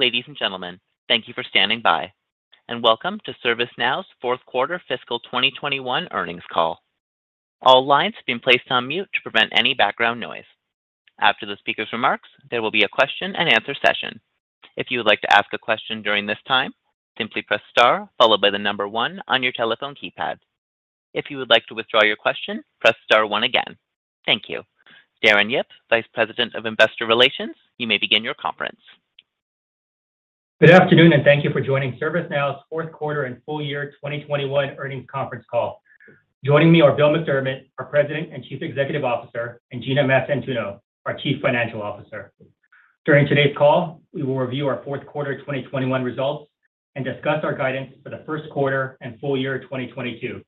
Ladies and gentlemen, thank you for standing by, and welcome to ServiceNow's fourth quarter fiscal 2021 earnings call. All lines have been placed on mute to prevent any background noise. After the speaker's remarks, there will be a question and answer session. If you would like to ask a question during this time, simply press star followed by the number one on your telephone keypad. If you would like to withdraw your question, press star one again. Thank you. Darren Yip, Vice President of Investor Relations, you may begin your conference. Good afternoon, and thank you for joining ServiceNow's fourth quarter and full year 2021 earnings conference call. Joining me are Bill McDermott, our President and Chief Executive Officer, and Gina Mastantuono, our Chief Financial Officer. During today's call, we will review our fourth quarter 2021 results and discuss our guidance for the first quarter and full year 2022.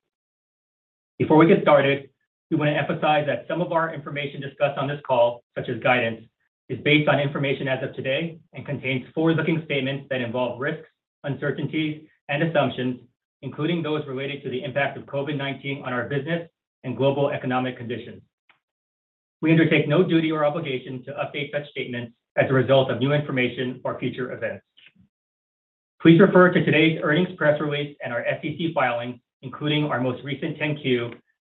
Before we get started, we wanna emphasize that some of our information discussed on this call, such as guidance, is based on information as of today and contains forward-looking statements that involve risks, uncertainties, and assumptions, including those related to the impact of COVID-19 on our business and global economic conditions. We undertake no duty or obligation to update such statements as a result of new information or future events. Please refer to today's earnings press release and our SEC filings, including our most recent 10-Q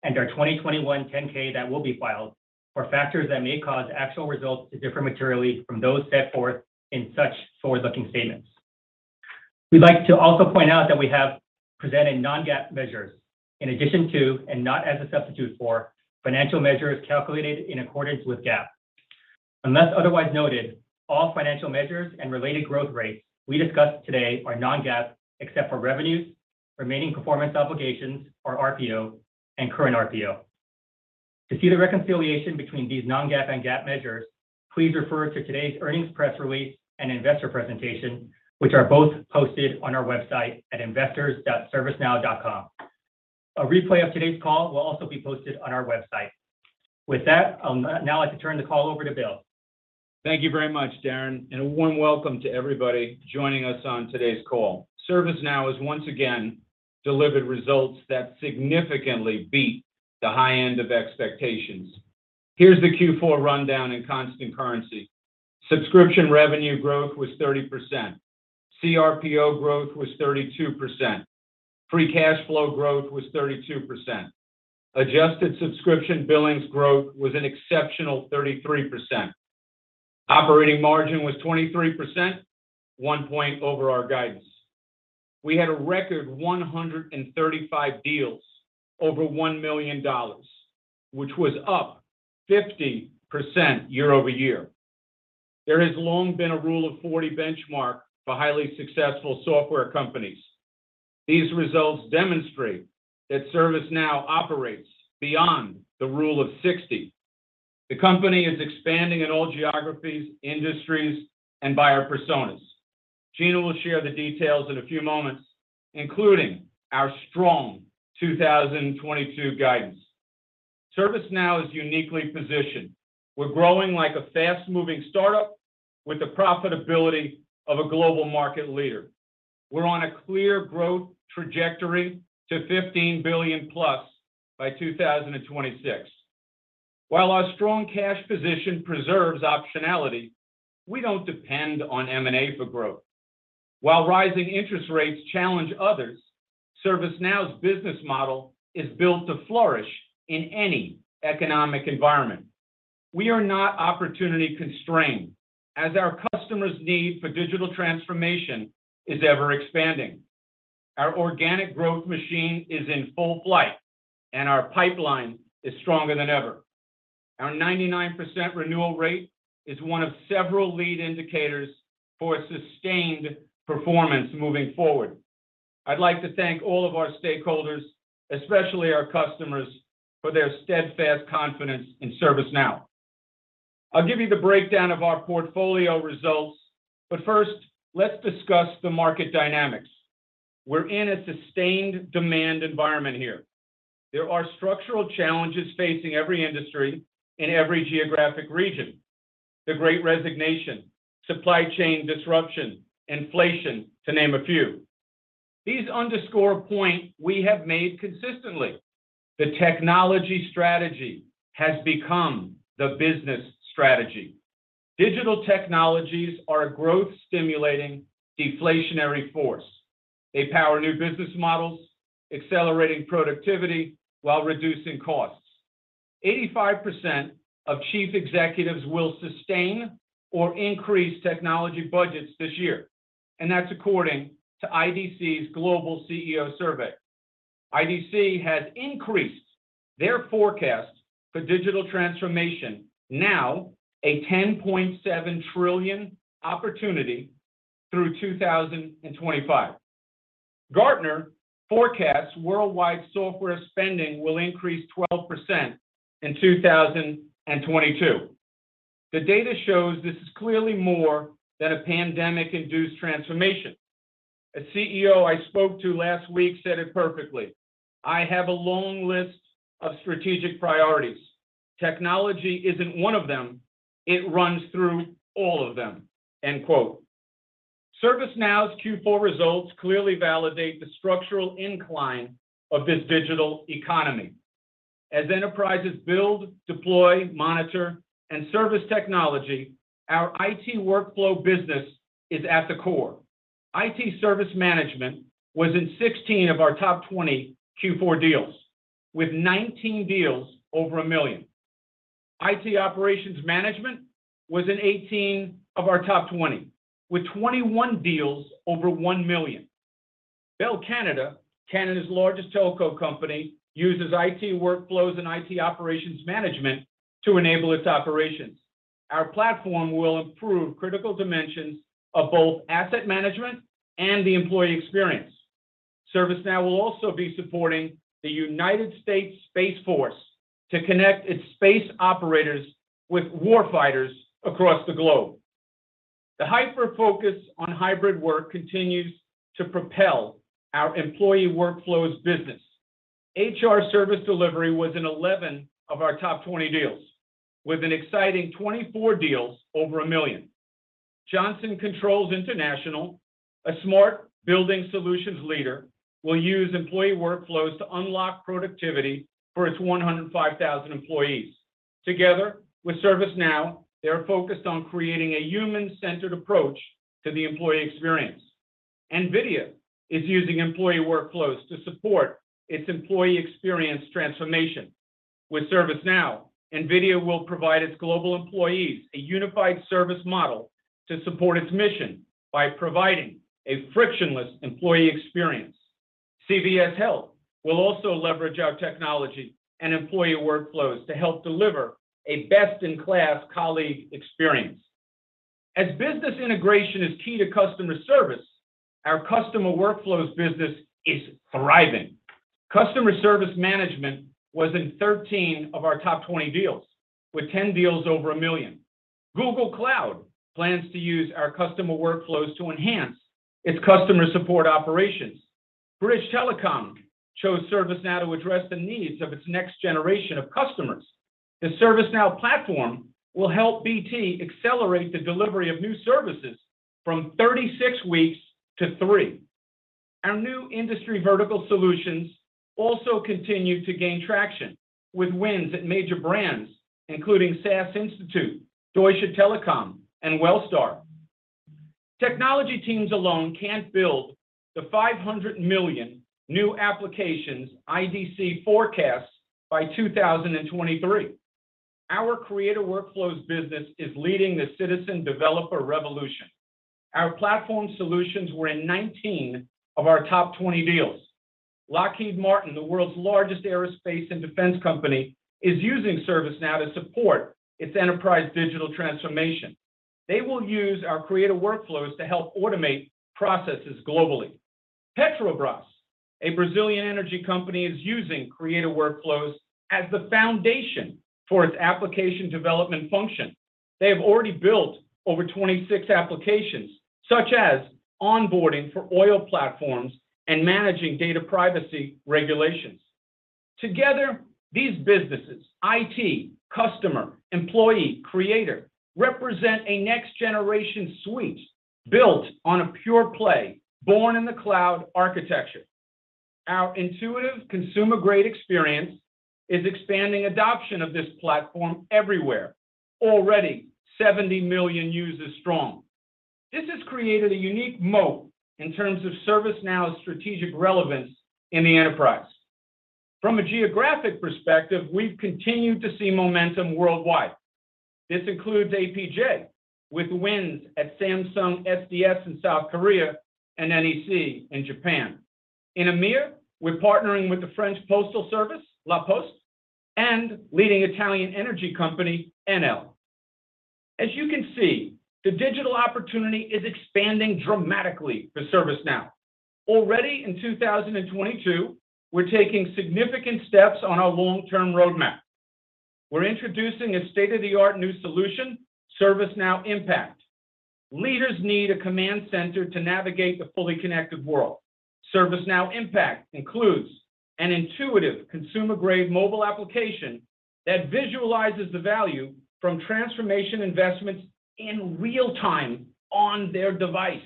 and our 2021 10-K that will be filed for factors that may cause actual results to differ materially from those set forth in such forward-looking statements. We'd like to also point out that we have presented non-GAAP measures in addition to, and not as a substitute for, financial measures calculated in accordance with GAAP. Unless otherwise noted, all financial measures and related growth rates we discussed today are non-GAAP, except for revenues, remaining performance obligations or RPO, and current RPO. To see the reconciliation between these non-GAAP and GAAP measures, please refer to today's earnings press release and investor presentation, which are both posted on our website at investors.servicenow.com. A replay of today's call will also be posted on our website. With that, now I'd like to turn the call over to Bill. Thank you very much, Darren, and a warm welcome to everybody joining us on today's call. ServiceNow has once again delivered results that significantly beat the high end of expectations. Here's the Q4 rundown in constant currency. Subscription revenue growth was 30%. CRPO growth was 32%. Free cash flow growth was 32%. Adjusted subscription billings growth was an exceptional 33%. Operating margin was 23%, 1 point over our guidance. We had a record 135 deals over $1 million, which was up 50% year-over-year. There has long been a rule-of-40 benchmark for highly successful software companies. These results demonstrate that ServiceNow operates beyond the rule of 60. The company is expanding in all geographies, industries, and buyer personas. Gina will share the details in a few moments, including our strong 2022 guidance. ServiceNow is uniquely positioned. We're growing like a fast moving startup with the profitability of a global market leader. We're on a clear growth trajectory to $15 billion-plus by 2026. While our strong cash position preserves optionality, we don't depend on M&A for growth. While rising interest rates challenge others, ServiceNow's business model is built to flourish in any economic environment. We are not opportunity constrained as our customers' need for digital transformation is ever-expanding. Our organic growth machine is in full flight, and our pipeline is stronger than ever. Our 99% renewal rate is one of several lead indicators for sustained performance moving forward. I'd like to thank all of our stakeholders, especially our customers, for their steadfast confidence in ServiceNow. I'll give you the breakdown of our portfolio results, but first, let's discuss the market dynamics. We're in a sustained demand environment here. There are structural challenges facing every industry in every geographic region. The Great Resignation, supply chain disruption, inflation, to name a few. These underscore a point we have made consistently. The technology strategy has become the business strategy. Digital technologies are a growth-stimulating deflationary force. They power new business models, accelerating productivity while reducing costs. 85% of chief executives will sustain or increase technology budgets this year, and that's according to IDC's global CEO survey. IDC has increased their forecast for digital transformation, now a 10.7 trillion opportunity through 2025. Gartner forecasts worldwide software spending will increase 12% in 2022. The data shows this is clearly more than a pandemic-induced transformation. A CEO I spoke to last week said it perfectly, "I have a long list of strategic priorities. Technology isn't one of them. It runs through all of them." End quote. ServiceNow's Q4 results clearly validate the structural incline of this digital economy. As enterprises build, deploy, monitor, and service technology, our IT workflow business is at the core. IT service management was in 16 of our top 20 Q4 deals, with 19 deals over $1 million. IT operations management was in 18 of our top 20, with 21 deals over $1 million. Bell Canada's largest telco company, uses IT workflows and IT operations management to enable its operations. Our platform will improve critical dimensions of both asset management and the employee experience. ServiceNow will also be supporting the United States Space Force to connect its space operators with warfighters across the globe. The hyper-focus on hybrid work continues to propel our employee workflows business. HR Service Delivery was in 11 of our top 20 deals, with an exciting 24 deals over $1 million. Johnson Controls International, a smart building solutions leader, will use employee workflows to unlock productivity for its 105,000 employees. Together with ServiceNow, they are focused on creating a human-centered approach to the employee experience. NVIDIA is using employee workflows to support its employee experience transformation. With ServiceNow, NVIDIA will provide its global employees a unified service model to support its mission by providing a frictionless employee experience. CVS Health will also leverage our technology and employee workflows to help deliver a best-in-class colleague experience. Business integration is key to customer service. Our customer workflows business is thriving. Customer Service Management was in 13 of our top 20 deals, with 10 deals over $1 million. Google Cloud plans to use our customer workflows to enhance its customer support operations. British Telecom chose ServiceNow to address the needs of its next generation of customers. The ServiceNow platform will help BT accelerate the delivery of new services from 36 weeks to three. Our new industry vertical solutions also continue to gain traction with wins at major brands, including SAS Institute, Deutsche Telekom, and Wellstar. Technology teams alone can't build the 500 million new applications IDC forecasts by 2023. Our creator workflows business is leading the citizen developer revolution. Our platform solutions were in 19 of our top 20 deals. Lockheed Martin, the world's largest aerospace and defense company, is using ServiceNow to support its enterprise digital transformation. They will use our creator workflows to help automate processes globally. Petrobras, a Brazilian energy company, is using creator workflows as the foundation for its application development function. They have already built over 26 applications, such as onboarding for oil platforms and managing data privacy regulations. Together, these businesses, IT, customer, employee, creator, represent a next-generation suite built on a pure-play, born-in-the-cloud architecture. Our intuitive consumer-grade experience is expanding adoption of this platform everywhere, already 70 million users strong. This has created a unique moat in terms of ServiceNow's strategic relevance in the enterprise. From a geographic perspective, we've continued to see momentum worldwide. This includes APJ, with wins at Samsung SDS in South Korea and NEC in Japan. In EMEA, we're partnering with the French Postal Service, La Poste, and leading Italian energy company, Enel. As you can see, the digital opportunity is expanding dramatically for ServiceNow. Already in 2022, we're taking significant steps on our long-term roadmap. We're introducing a state-of-the-art new solution, ServiceNow Impact. Leaders need a command center to navigate the fully connected world. ServiceNow Impact includes an intuitive consumer-grade mobile application that visualizes the value from transformation investments in real time on their device.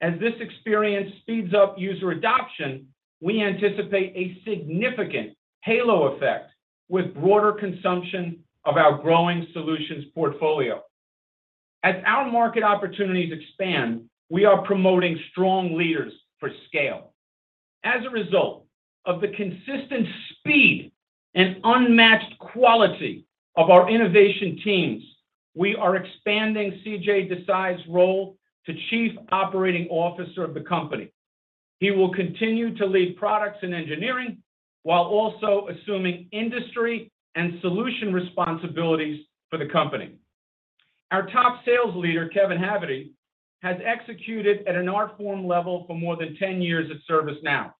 As this experience speeds up user adoption, we anticipate a significant halo effect with broader consumption of our growing solutions portfolio. As our market opportunities expand, we are promoting strong leaders for scale. As a result of the consistent speed and unmatched quality of our innovation teams, we are expanding CJ Desai's role to Chief Operating Officer of the company. He will continue to lead products and engineering while also assuming industry and solution responsibilities for the company. Our top sales leader, Kevin Haverty, has executed at an art form level for more than 10 years at ServiceNow.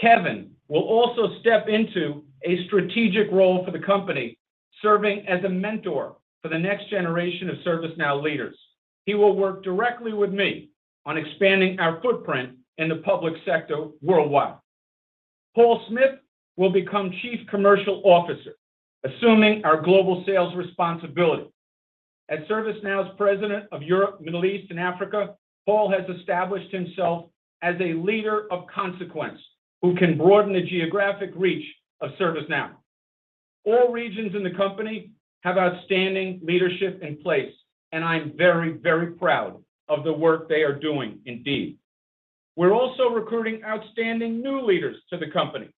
Kevin will also step into a strategic role for the company, serving as a mentor for the next generation of ServiceNow leaders. He will work directly with me on expanding our footprint in the public sector worldwide. Paul Smith will become Chief Commercial Officer, assuming our global sales responsibility. As ServiceNow's President of Europe, Middle East, and Africa, Paul has established himself as a leader of consequence who can broaden the geographic reach of ServiceNow. All regions in the company have outstanding leadership in place, and I'm very, very proud of the work they are doing indeed. We're also recruiting outstanding new leaders to the company.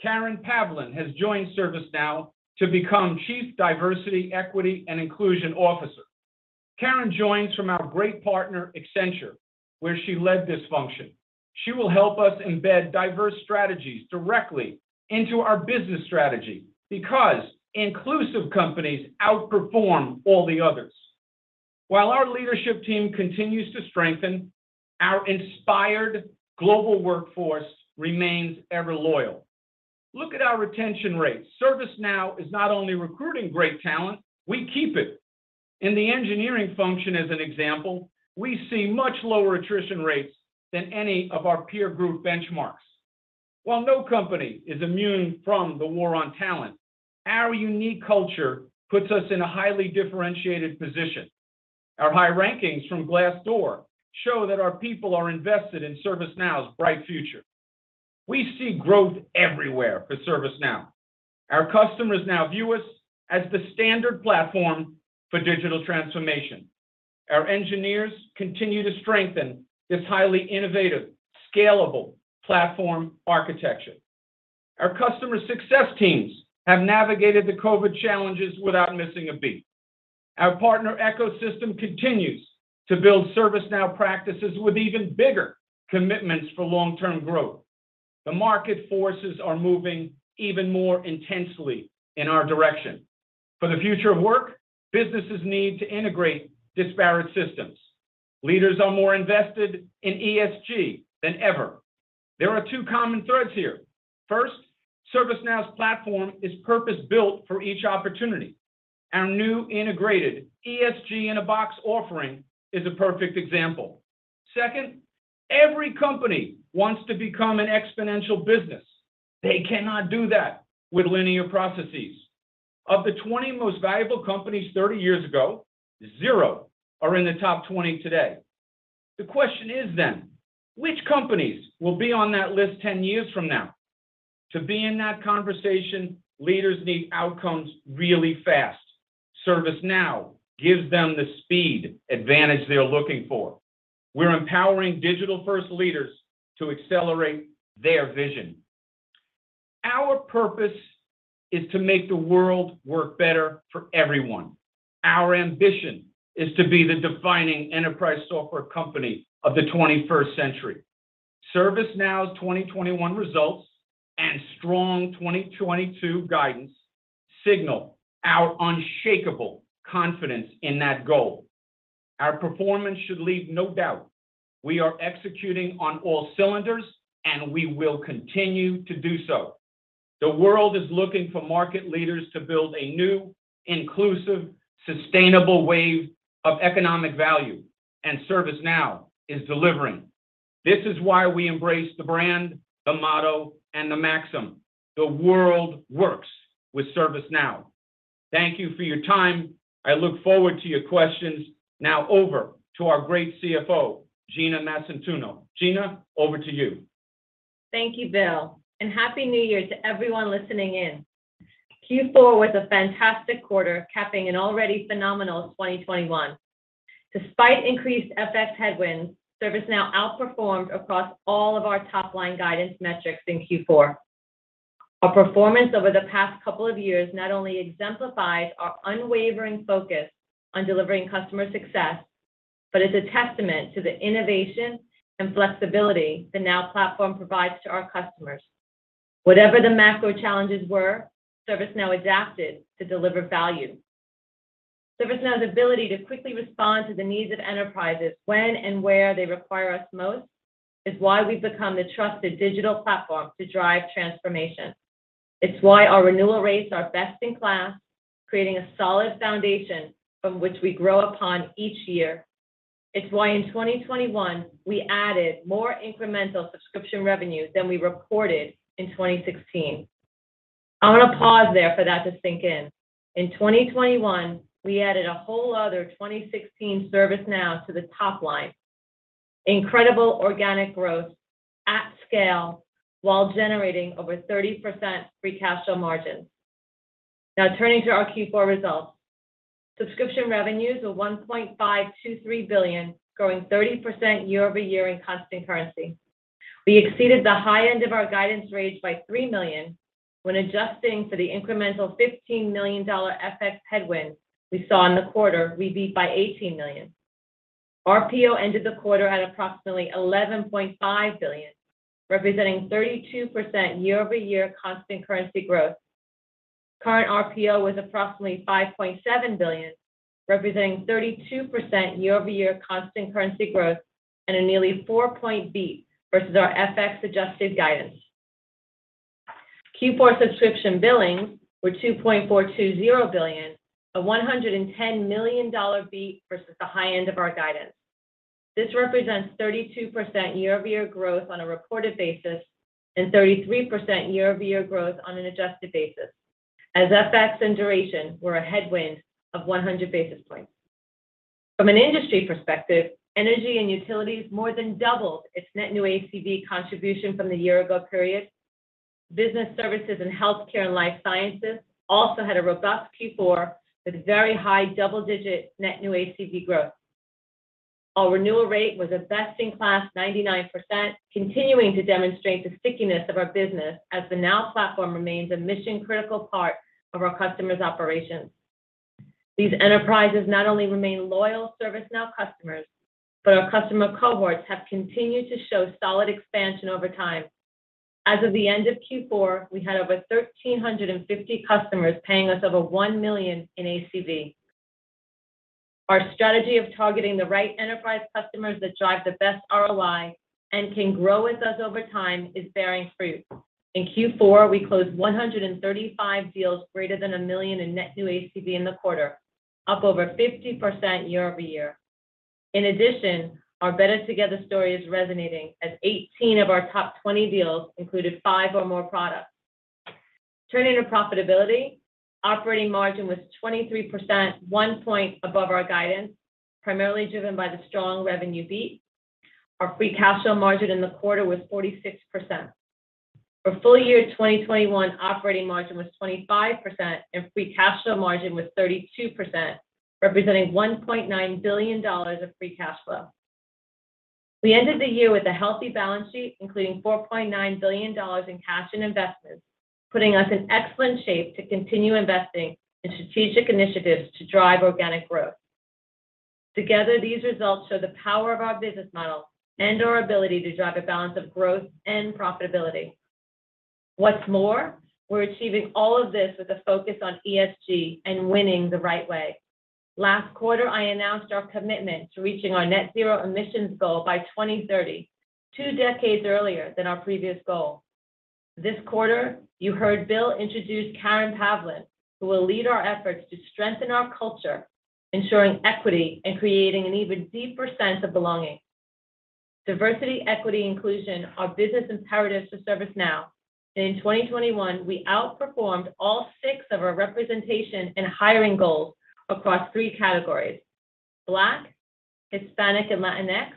Karen Pavlin has joined ServiceNow to become Chief Diversity, Equity, and Inclusion Officer. Karen joins from our great partner, Accenture, where she led this function. She will help us embed diverse strategies directly into our business strategy because inclusive companies outperform all the others. While our leadership team continues to strengthen, our inspired global workforce remains ever loyal. Look at our retention rates. ServiceNow is not only recruiting great talent, we keep it. In the engineering function as an example, we see much lower attrition rates than any of our peer group benchmarks. While no company is immune from the war on talent, our unique culture puts us in a highly differentiated position. Our high rankings from Glassdoor show that our people are invested in ServiceNow's bright future. We see growth everywhere for ServiceNow. Our customers now view us as the standard platform for digital transformation. Our engineers continue to strengthen this highly innovative, scalable platform architecture. Our customer success teams have navigated the COVID challenges without missing a beat. Our partner ecosystem continues to build ServiceNow practices with even bigger commitments for long-term growth. The market forces are moving even more intensely in our direction. For the future of work, businesses need to integrate disparate systems. Leaders are more invested in ESG than ever. There are two common threads here. First, ServiceNow's platform is purpose-built for each opportunity. Our new integrated ESG in-a-box offering is a perfect example. Second, every company wants to become an exponential business. They cannot do that with linear processes. Of the 20 most valuable companies 30 years ago, zero are in the top 20 today. The question is then, which companies will be on that list 10 years from now? To be in that conversation, leaders need outcomes really fast. ServiceNow gives them the speed advantage they're looking for. We're empowering digital-first leaders to accelerate their vision. Our purpose is to make the world work better for everyone. Our ambition is to be the defining enterprise software company of the 21st century. ServiceNow's 2021 results and strong 2022 guidance signal our unshakable confidence in that goal. Our performance should leave no doubt. We are executing on all cylinders, and we will continue to do so. The world is looking for market leaders to build a new, inclusive, sustainable wave of economic value, and ServiceNow is delivering. This is why we embrace the brand, the motto, and the maxim. The world works with ServiceNow. Thank you for your time. I look forward to your questions. Now over to our great CFO, Gina Mastantuono. Gina, over to you. Thank you, Bill, and Happy New Year to everyone listening in. Q4 was a fantastic quarter, capping an already phenomenal 2021. Despite increased FX headwinds, ServiceNow outperformed across all of our top-line guidance metrics in Q4. Our performance over the past couple of years not only exemplifies our unwavering focus on delivering customer success, but it's a testament to the innovation and flexibility the Now Platform provides to our customers. Whatever the macro challenges were, ServiceNow adapted to deliver value. ServiceNow's ability to quickly respond to the needs of enterprises when and where they require us most is why we've become the trusted digital platform to drive transformation. It's why our renewal rates are best in class, creating a solid foundation from which we grow upon each year. It's why in 2021, we added more incremental subscription revenues than we reported in 2016. I wanna pause there for that to sink in. In 2021, we added a whole other 2016 ServiceNow to the top line. Incredible organic growth at scale while generating over 30% free cash flow margins. Now turning to our Q4 results. Subscription revenues were $1.523 billion, growing 30% year-over-year in constant currency. We exceeded the high end of our guidance range by $3 million. When adjusting for the incremental $15 million FX headwind we saw in the quarter, we beat by $18 million. RPO ended the quarter at approximately $11.5 billion, representing 32% year-over-year constant currency growth. Current RPO was approximately $5.7 billion, representing 32% year-over-year constant currency growth and a nearly four-point beat versus our FX-adjusted guidance. Q4 subscription billings were $2.420 billion, a $110 million beat versus the high end of our guidance. This represents 32% year-over-year growth on a reported basis, and 33% year-over-year growth on an adjusted basis, as FX and duration were a headwind of 100 basis points. From an industry perspective, energy and utilities more than doubled its net new ACV contribution from the year ago period. Business services and healthcare and life sciences also had a robust Q4 with very high double-digit net new ACV growth. Our renewal rate was a best-in-class 99%, continuing to demonstrate the stickiness of our business as the Now Platform remains a mission-critical part of our customers' operations. These enterprises not only remain loyal ServiceNow customers, but our customer cohorts have continued to show solid expansion over time. As of the end of Q4, we had over 1,350 customers paying us over $1 million in ACV. Our strategy of targeting the right enterprise customers that drive the best ROI and can grow with us over time is bearing fruit. In Q4, we closed 135 deals greater than $1 million in net new ACV in the quarter, up over 50% year-over-year. In addition, our Better Together story is resonating as 18 of our top 20 deals included five or more products. Turning to profitability, operating margin was 23%, one point above our guidance, primarily driven by the strong revenue beat. Our free cash flow margin in the quarter was 46%. For full year 2021, operating margin was 25% and free cash flow margin was 32%, representing $1.9 billion of free cash flow. We ended the year with a healthy balance sheet, including $4.9 billion in cash and investments, putting us in excellent shape to continue investing in strategic initiatives to drive organic growth. Together, these results show the power of our business model and our ability to drive a balance of growth and profitability. What's more, we're achieving all of this with a focus on ESG and winning the right way. Last quarter, I announced our commitment to reaching our net zero emissions goal by 2030, two decades earlier than our previous goal. This quarter, you heard Bill introduce Karen Pavlin, who will lead our efforts to strengthen our culture, ensuring equity and creating an even deeper sense of belonging. Diversity, equity, inclusion are business imperatives for ServiceNow, and in 2021, we outperformed all six of our representation and hiring goals across three categories, Black, Hispanic and Latinx,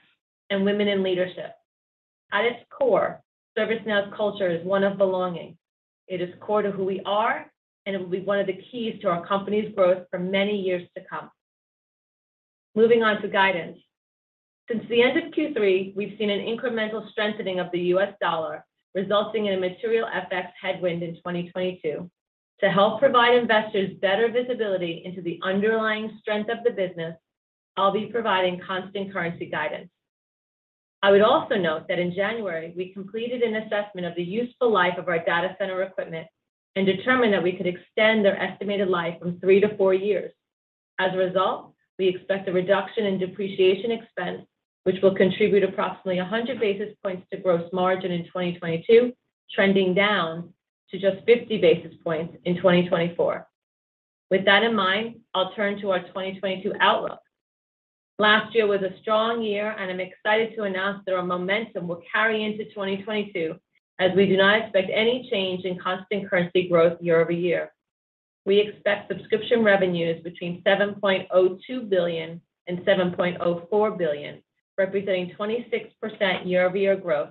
and women in leadership. At its core, ServiceNow's culture is one of belonging. It is core to who we are, and it will be one of the keys to our company's growth for many years to come. Moving on to guidance. Since the end of Q3, we've seen an incremental strengthening of the U.S. dollar, resulting in a material FX headwind in 2022. To help provide investors better visibility into the underlying strength of the business, I'll be providing constant currency guidance. I would also note that in January, we completed an assessment of the useful life of our data center equipment and determined that we could extend their estimated life from three to four years. As a result, we expect a reduction in depreciation expense, which will contribute approximately 100 basis points to gross margin in 2022, trending down to just 50 basis points in 2024. With that in mind, I'll turn to our 2022 outlook. Last year was a strong year, and I'm excited to announce that our momentum will carry into 2022, as we do not expect any change in constant currency growth year over year. We expect subscription revenues between $7.02 billion and $7.04 billion, representing 26% year-over-year growth.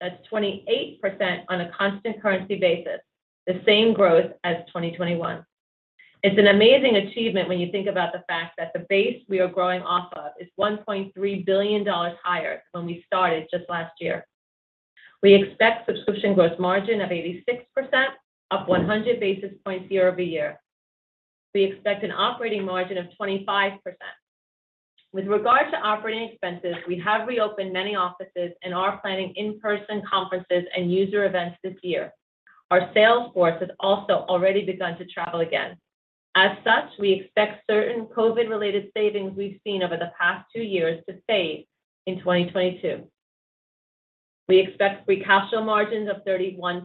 That's 28% on a constant currency basis, the same growth as 2021. It's an amazing achievement when you think about the fact that the base we are growing off of is $1.3 billion higher than when we started just last year. We expect subscription gross margin of 86%, up 100 basis points year-over-year. We expect an operating margin of 25%. With regard to operating expenses, we have reopened many offices and are planning in-person conferences and user events this year. Our sales force has also already begun to travel again. As such, we expect certain COVID-related savings we've seen over the past two years to fade in 2022. We expect free cash flow margins of 31%,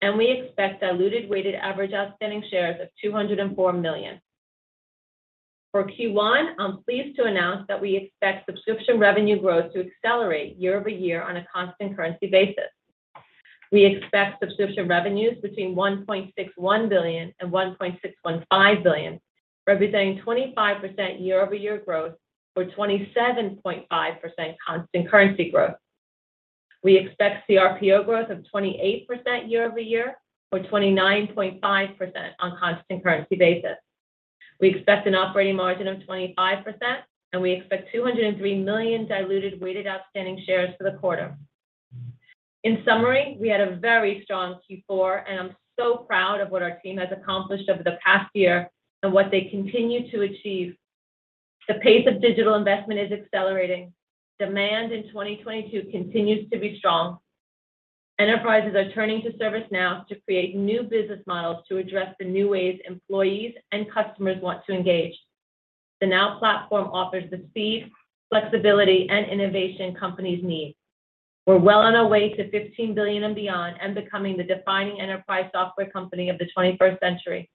and we expect diluted weighted average outstanding shares of 204 million. For Q1, I'm pleased to announce that we expect subscription revenue growth to accelerate year-over-year on a constant currency basis. We expect subscription revenues between $1.61 billion and $1.615 billion, representing 25% year-over-year growth or 27.5% constant currency growth. We expect CRPO growth of 28% year-over-year or 29.5% on a constant currency basis. We expect an operating margin of 25%, and we expect 203 million diluted weighted outstanding shares for the quarter. In summary, we had a very strong Q4, and I'm so proud of what our team has accomplished over the past year and what they continue to achieve. The pace of digital investment is accelerating. Demand in 2022 continues to be strong. Enterprises are turning to ServiceNow to create new business models to address the new ways employees and customers want to engage. The Now Platform offers the speed, flexibility, and innovation companies need. We're well on our way to $15 billion and beyond and becoming the defining enterprise software company of the 21st century.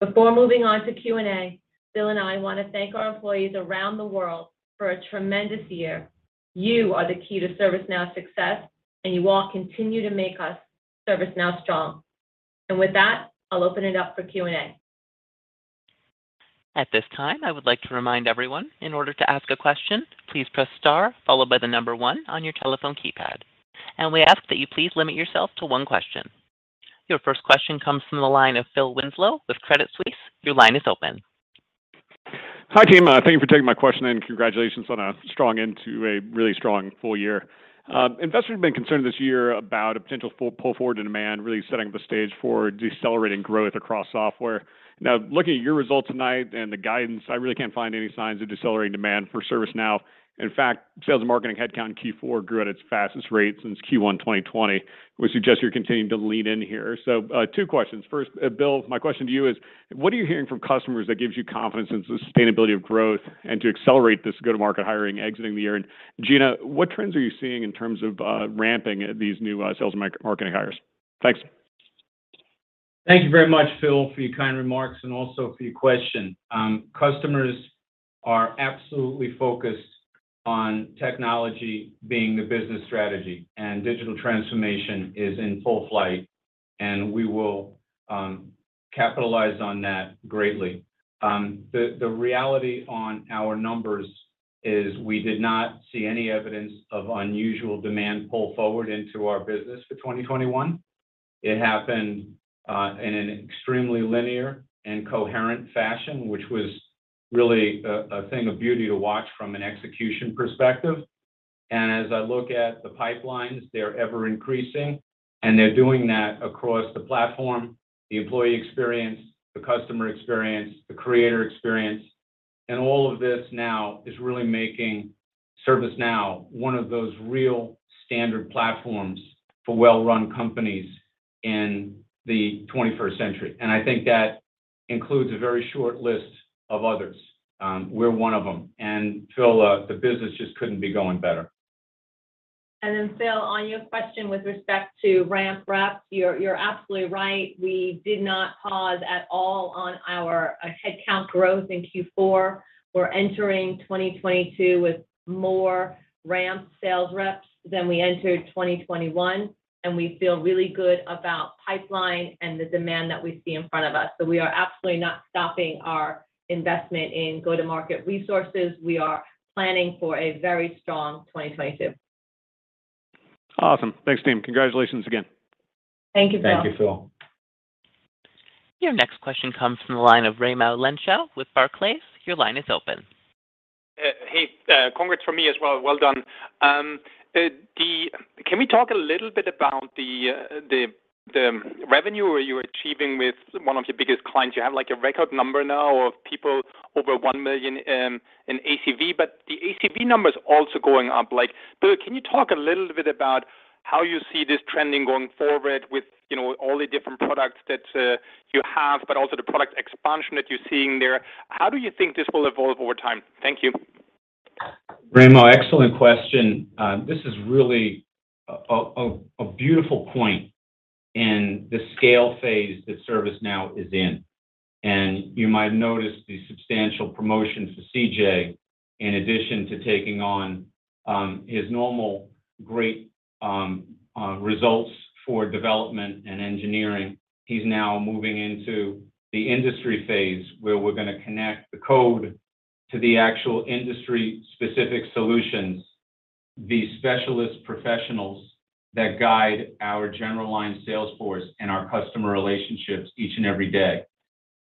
Before moving on to Q&A, Bill and I wanna thank our employees around the world for a tremendous year. You are the key to ServiceNow's success, and you all continue to make us ServiceNow strong. With that, I'll open it up for Q&A. At this time, I would like to remind everyone, in order to ask a question, please press star followed by the number one on your telephone keypad. We ask that you please limit yourself to one question. Your first question comes from the line of Phil Winslow with Credit Suisse. Your line is open. Hi, team. Thank you for taking my question, and congratulations on a strong end to a really strong full year. Investors have been concerned this year about a potential pull forward in demand, really setting the stage for decelerating growth across software. Now, looking at your results tonight and the guidance, I really can't find any signs of decelerating demand for ServiceNow. In fact, sales and marketing headcount in Q4 grew at its fastest rate since Q1 2020, which suggests you're continuing to lean in here. Two questions. First, Bill, my question to you is, what are you hearing from customers that gives you confidence in sustainability of growth and to accelerate this go-to-market hiring exiting the year? And Gina, what trends are you seeing in terms of ramping these new sales and marketing hires? Thanks. Thank you very much, Phil, for your kind remarks and also for your question. Customers are absolutely focused on technology being the business strategy, and digital transformation is in full flight, and we will capitalize on that greatly. The reality on our numbers is we did not see any evidence of unusual demand pull forward into our business for 2021. It happened in an extremely linear and coherent fashion, which was really a thing of beauty to watch from an execution perspective. As I look at the pipelines, they're ever-increasing, and they're doing that across the platform, the employee experience, the customer experience, the creator experience. All of this now is really making ServiceNow one of those real standard platforms for well-run companies in the 21st century. I think that includes a very short list of others. We're one of them. Phil, the business just couldn't be going better. Phil, on your question with respect to ramp reps, you're absolutely right. We did not pause at all on our headcount growth in Q4. We're entering 2022 with more ramp sales reps than we entered 2021, and we feel really good about pipeline and the demand that we see in front of us. We are absolutely not stopping our investment in go-to-market resources. We are planning for a very strong 2022. Awesome. Thanks, team. Congratulations again. Thank you, Phil. Thank you, Phil. Your next question comes from the line of Raimo Lenschow with Barclays. Your line is open. Hey, congrats from me as well. Well done. Can we talk a little bit about the revenue you're achieving with one of your biggest clients? You have, like, a record number now of customers over $1 million in ACV, but the ACV number is also going up. Like, Bill, can you talk a little bit about how you see this trending going forward with, you know, all the different products that you have, but also the product expansion that you're seeing there? How do you think this will evolve over time? Thank you. Raimo, excellent question. This is really a beautiful point in the scale phase that ServiceNow is in. You might notice the substantial promotions to CJ in addition to taking on his normal great results for development and engineering. He's now moving into the industry phase, where we're gonna connect the code to the actual industry-specific solutions, the specialist professionals that guide our general line sales force and our customer relationships each and every day.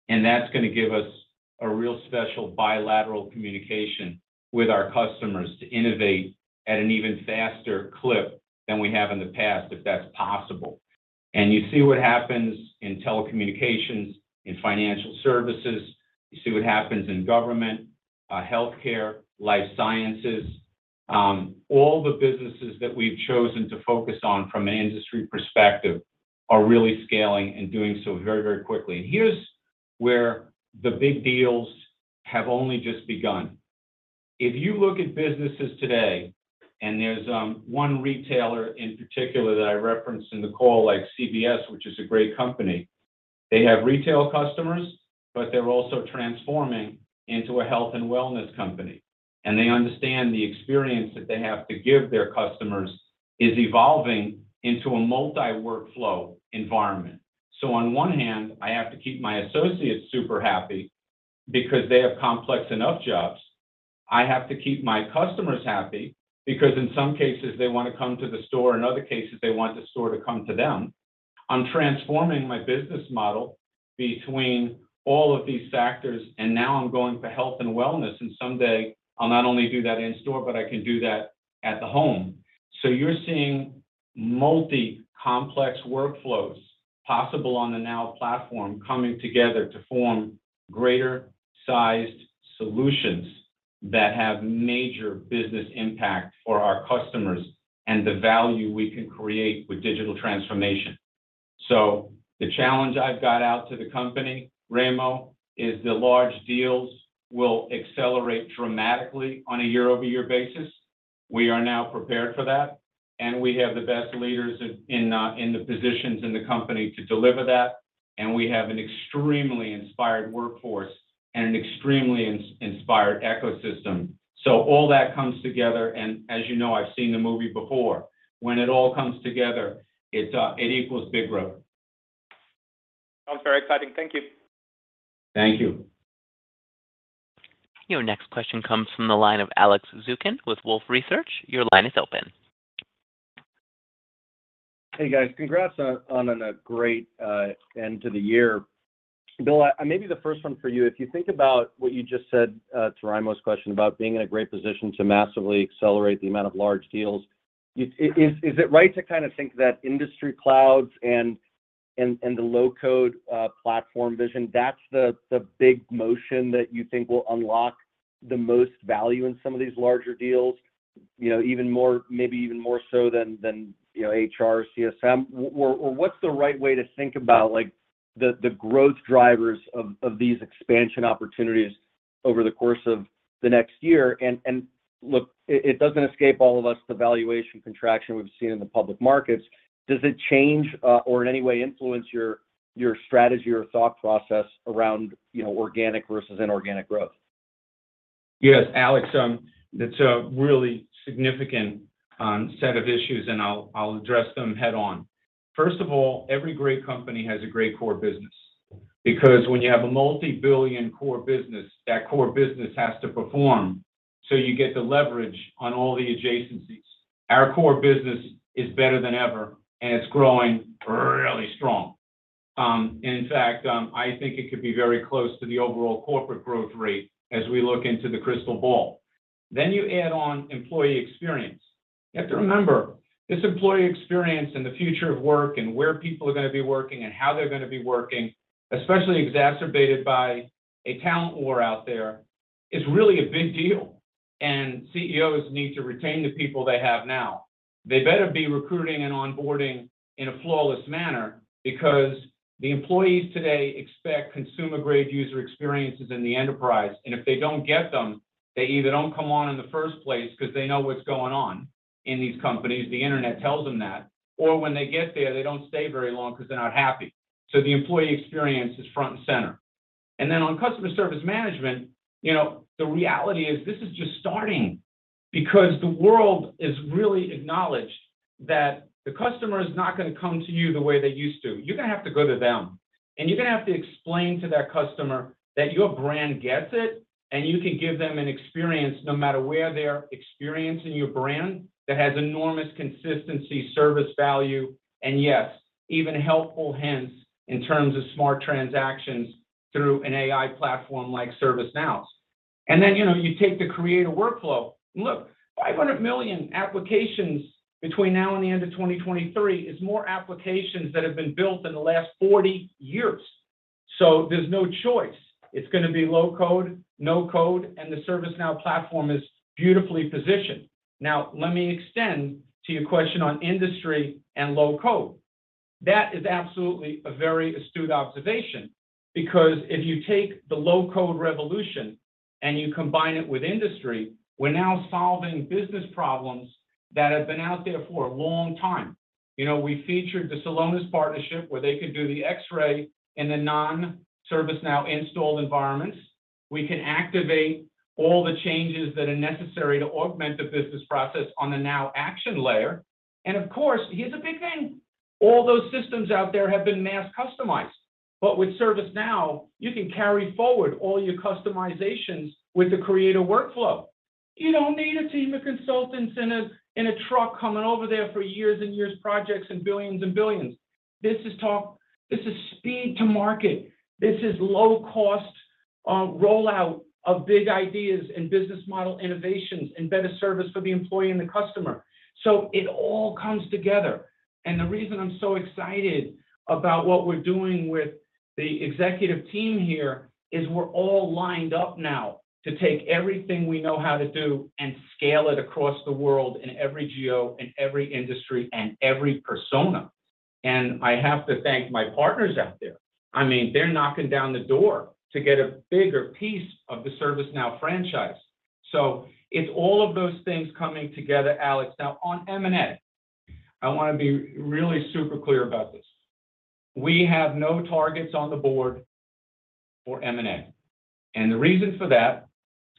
That's gonna give us a real special bilateral communication with our customers to innovate at an even faster clip than we have in the past, if that's possible. You see what happens in telecommunications, in financial services. You see what happens in government, healthcare, life sciences. All the businesses that we've chosen to focus on from an industry perspective are really scaling and doing so very, very quickly. Here's where the big deals have only just begun. If you look at businesses today, and there's one retailer in particular that I referenced in the call, like CVS, which is a great company, they have retail customers, but they're also transforming into a health and wellness company. They understand the experience that they have to give their customers is evolving into a multi-workflow environment. On one hand, I have to keep my associates super happy because they have complex enough jobs. I have to keep my customers happy because in some cases, they wanna come to the store, and other cases, they want the store to come to them. I'm transforming my business model between all of these factors, and now I'm going for health and wellness, and someday I'll not only do that in store, but I can do that at the home. You're seeing multi-complex workflows possible on the Now Platform coming together to form greater-sized solutions that have major business impact for our customers and the value we can create with digital transformation. The challenge I've got out to the company, Raimo, is the large deals will accelerate dramatically on a year-over-year basis. We are now prepared for that, and we have the best leaders in the positions in the company to deliver that. We have an extremely inspired workforce and an extremely inspired ecosystem. All that comes together and as you know, I've seen the movie before. When it all comes together, it equals big growth. Sounds very exciting. Thank you. Thank you. Your next question comes from the line of Alex Zukin with Wolfe Research. Your line is open. Hey, guys. Congrats on a great end to the year. Bill, maybe the first one for you. If you think about what you just said to Raimo's question about being in a great position to massively accelerate the amount of large deals, is it right to kind of think that industry clouds and the low-code platform vision, that's the big motion that you think will unlock the most value in some of these larger deals, you know, even more so than, you know, HR, CSM? What or what's the right way to think about like the growth drivers of these expansion opportunities over the course of the next year? Look, it doesn't escape all of us the valuation contraction we've seen in the public markets. Does it change, or in any way influence your strategy or thought process around, you know, organic versus inorganic growth? Yes, Alex, that's a really significant set of issues, and I'll address them head-on. First of all, every great company has a great core business. Because when you have a multi-billion core business, that core business has to perform so you get the leverage on all the adjacencies. Our core business is better than ever, and it's growing really strong. In fact, I think it could be very close to the overall corporate growth rate as we look into the crystal ball. You add on employee experience. You have to remember, this employee experience and the future of work and where people are gonna be working and how they're gonna be working, especially exacerbated by a talent war out there, is really a big deal, and CEOs need to retain the people they have now. They better be recruiting and onboarding in a flawless manner because the employees today expect consumer-grade user experiences in the enterprise, and if they don't get them, they either don't come on in the first place because they know what's going on in these companies. The Internet tells them that. When they get there, they don't stay very long because they're not happy. The employee experience is front and center. On Customer Service Management, you know, the reality is this is just starting because the world has really acknowledged that the customer is not gonna come to you the way they used to. You're gonna have to go to them, and you're gonna have to explain to that customer that your brand gets it, and you can give them an experience no matter where they're experiencing your brand that has enormous consistency, service value, and yes, even helpful hints in terms of smart transactions through an AI platform like ServiceNow. Then, you know, you take the creator workflow. Look, 500 million applications between now and the end of 2023 is more applications that have been built in the last 40 years. There's no choice. It's gonna be low code, no code, and the ServiceNow platform is beautifully positioned. Now, let me extend to your question on industry and low code. That is absolutely a very astute observation because if you take the low code revolution and you combine it with industry, we're now solving business problems that have been out there for a long time. You know, we featured the Celonis partnership where they could do the X-ray in the non-ServiceNow installed environments. We can activate all the changes that are necessary to augment the business process on the Now Action layer. Of course, here's a big thing, all those systems out there have been mass customized. With ServiceNow, you can carry forward all your customizations with the creative workflow. You don't need a team of consultants in a truck coming over there for years and years projects and billions and billions. This is speed to market. This is low cost rollout of big ideas and business model innovations and better service for the employee and the customer. It all comes together. The reason I'm so excited about what we're doing with the executive team here is we're all lined up now to take everything we know how to do and scale it across the world in every GO, in every industry, and every persona. I have to thank my partners out there. I mean, they're knocking down the door to get a bigger piece of the ServiceNow franchise. It's all of those things coming together, Alex. Now, on M&A, I wanna be really super clear about this. We have no targets on the board for M&A, and the reason for that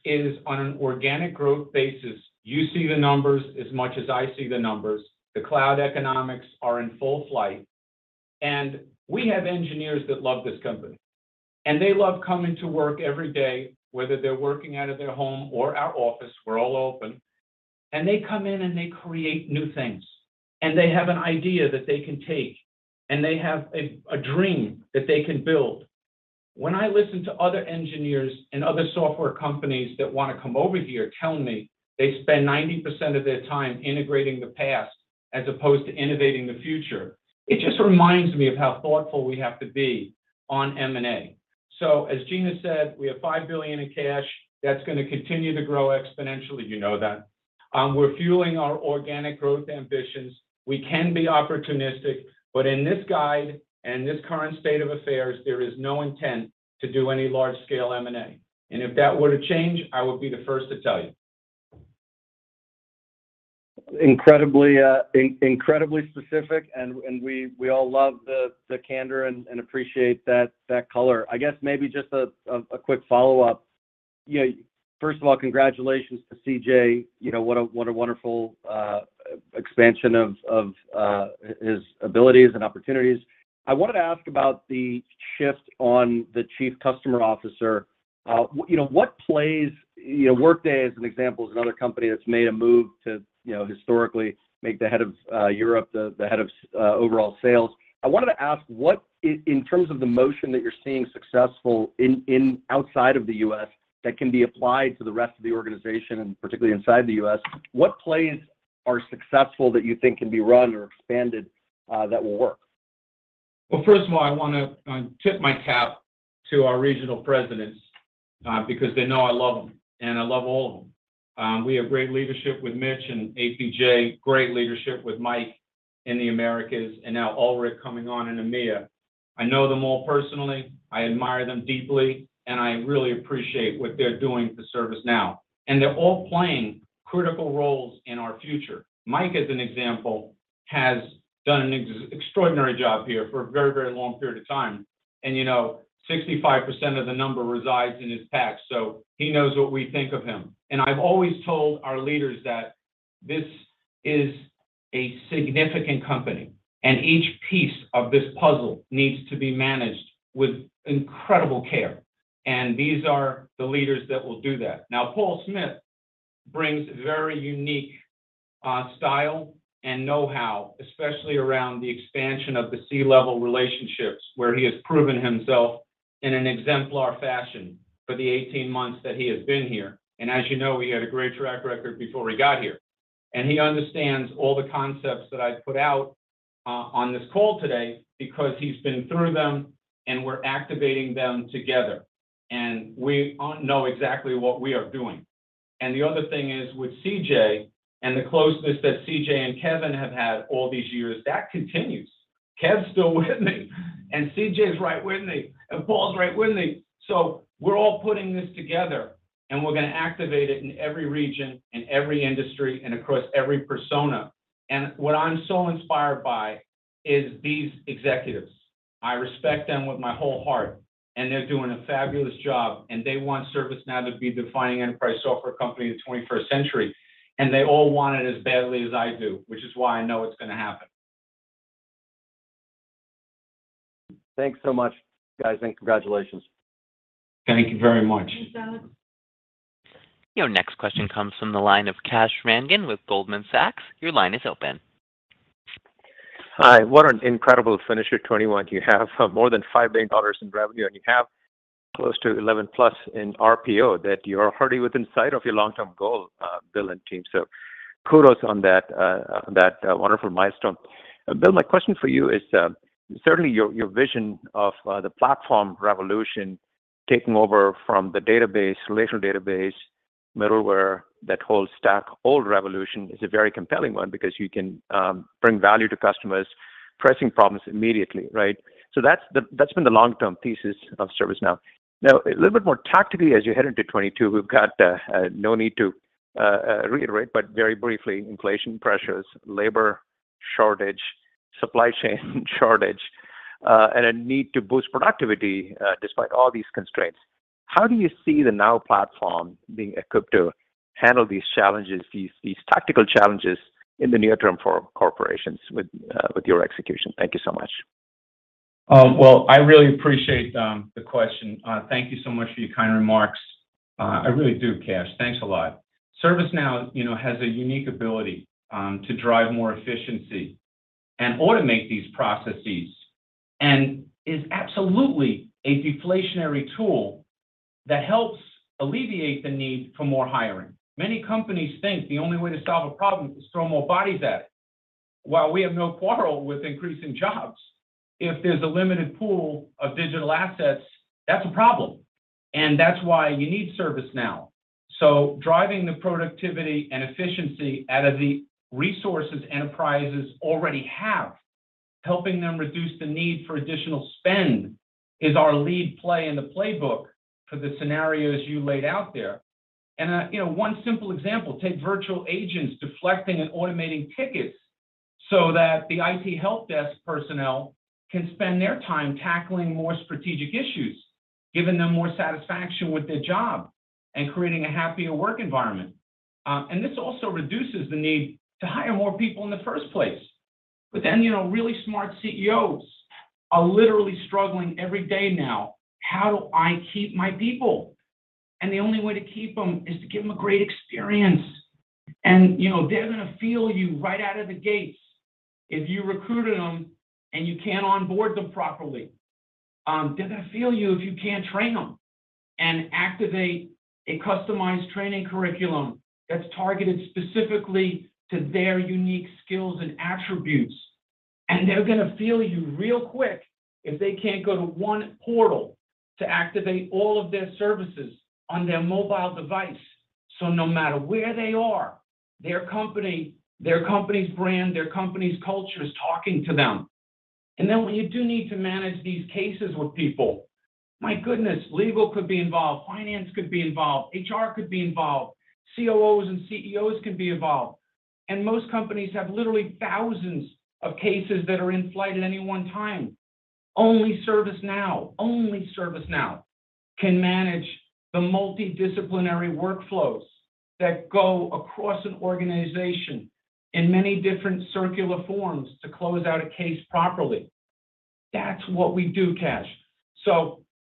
is on an organic growth basis, you see the numbers as much as I see the numbers. The cloud economics are in full flight. We have engineers that love this company, and they love coming to work every day, whether they're working out of their home or our office, we're all open, and they come in and they create new things. They have an idea that they can take, and they have a dream that they can build. When I listen to other engineers in other software companies that wanna come over here tell me they spend 90% of their time integrating the past as opposed to innovating the future, it just reminds me of how thoughtful we have to be on M&A. As Gina said, we have $5 billion in cash. That's gonna continue to grow exponentially, you know that. We're fueling our organic growth ambitions. We can be opportunistic, but in this guide and this current state of affairs, there is no intent to do any large scale M&A. If that were to change, I would be the first to tell you. Incredibly specific, and we all love the candor and appreciate that color. I guess maybe just a quick follow-up. You know, first of all, congratulations to CJ. You know, what a wonderful expansion of his abilities and opportunities. I wanted to ask about the shift on the Chief Customer Officer. You know, what plays. You know, Workday as an example is another company that's made a move to, you know, historically make the head of Europe the head of overall sales. I wanted to ask what in terms of the motion that you're seeing successful in outside of the U.S. that can be applied to the rest of the organization, and particularly inside the U.S., what plays are successful that you think can be run or expanded that will work? Well, first of all, I wanna tip my cap to our regional presidents because they know I love them, and I love all of them. We have great leadership with Mitch and APJ, great leadership with Mike in the Americas, and now Ulrich coming on in EMEA. I know them all personally, I admire them deeply, and I really appreciate what they're doing for ServiceNow. They're all playing critical roles in our future. Mike, as an example, has done an extraordinary job here for a very long period of time. You know, 65% of the number resides in his pack, so he knows what we think of him. I've always told our leaders that this is a significant company, and each piece of this puzzle needs to be managed with incredible care. These are the leaders that will do that. Now, Paul Smith brings very unique style and know-how, especially around the expansion of the C-level relationships, where he has proven himself in an exemplary fashion for the 18 months that he has been here. As you know, he had a great track record before he got here. He understands all the concepts that I've put out on this call today because he's been through them and we're activating them together. We know exactly what we are doing. The other thing is, with CJ and the closeness that CJ and Kevin have had all these years, that continues. Kev's still with me, and CJ's right with me, and Paul's right with me. We're all putting this together, and we're gonna activate it in every region, in every industry, and across every persona. What I'm so inspired by is these executives. I respect them with my whole heart, and they're doing a fabulous job, and they want ServiceNow to be the defining enterprise software company in the 21st century. They all want it as badly as I do, which is why I know it's gonna happen. Thanks so much, guys, and congratulations. Thank you very much. Thanks, Alex. Your next question comes from the line of Kash Rangan with Goldman Sachs. Your line is open. Hi. What an incredible finish at 2021. You have more than $5 billion in revenue, and you have close to $11 billion in RPO that you're already within sight of your long-term goal, Bill and team. Kudos on that wonderful milestone. Bill, my question for you is certainly your vision of the platform revolution taking over from the database, relational database, middleware, that whole stack, whole revolution is a very compelling one because you can bring value to customers' pressing problems immediately, right? That's the long-term thesis of ServiceNow. Now, a little bit more tactically as you head into 2022, we've got no need to reiterate, but very briefly, inflation pressures, labor shortage, supply chain shortage, and a need to boost productivity despite all these constraints. How do you see the Now Platform being equipped to handle these challenges, these tactical challenges in the near term for corporations with your execution? Thank you so much. Well, I really appreciate the question. Thank you so much for your kind remarks. I really do, Kash. Thanks a lot. ServiceNow, you know, has a unique ability to drive more efficiency and automate these processes, and is absolutely a deflationary tool that helps alleviate the need for more hiring. Many companies think the only way to solve a problem is to throw more bodies at it. While we have no quarrel with increasing jobs, if there's a limited pool of digital assets, that's a problem. And that's why you need ServiceNow. Driving the productivity and efficiency out of the resources enterprises already have, helping them reduce the need for additional spend is our lead play in the playbook for the scenarios you laid out there. You know, one simple example, take virtual agents deflecting and automating tickets so that the IT help desk personnel can spend their time tackling more strategic issues, giving them more satisfaction with their job, and creating a happier work environment. This also reduces the need to hire more people in the first place. You know, really smart CEOs are literally struggling every day now. How do I keep my people? The only way to keep them is to give them a great experience. You know, they're gonna feel you right out of the gates if you recruited them and you can't onboard them properly. They're gonna feel you if you can't train them and activate a customized training curriculum that's targeted specifically to their unique skills and attributes. They're gonna feel you real quick if they can't go to one portal to activate all of their services on their mobile device. No matter where they are, their company, their company's brand, their company's culture is talking to them. When you do need to manage these cases with people, my goodness, legal could be involved, finance could be involved, HR could be involved, COOs and CEOs could be involved. Most companies have literally thousands of cases that are in flight at any one time. Only ServiceNow, only ServiceNow can manage the multidisciplinary workflows that go across an organization in many different circular forms to close out a case properly. That's what we do, Kash.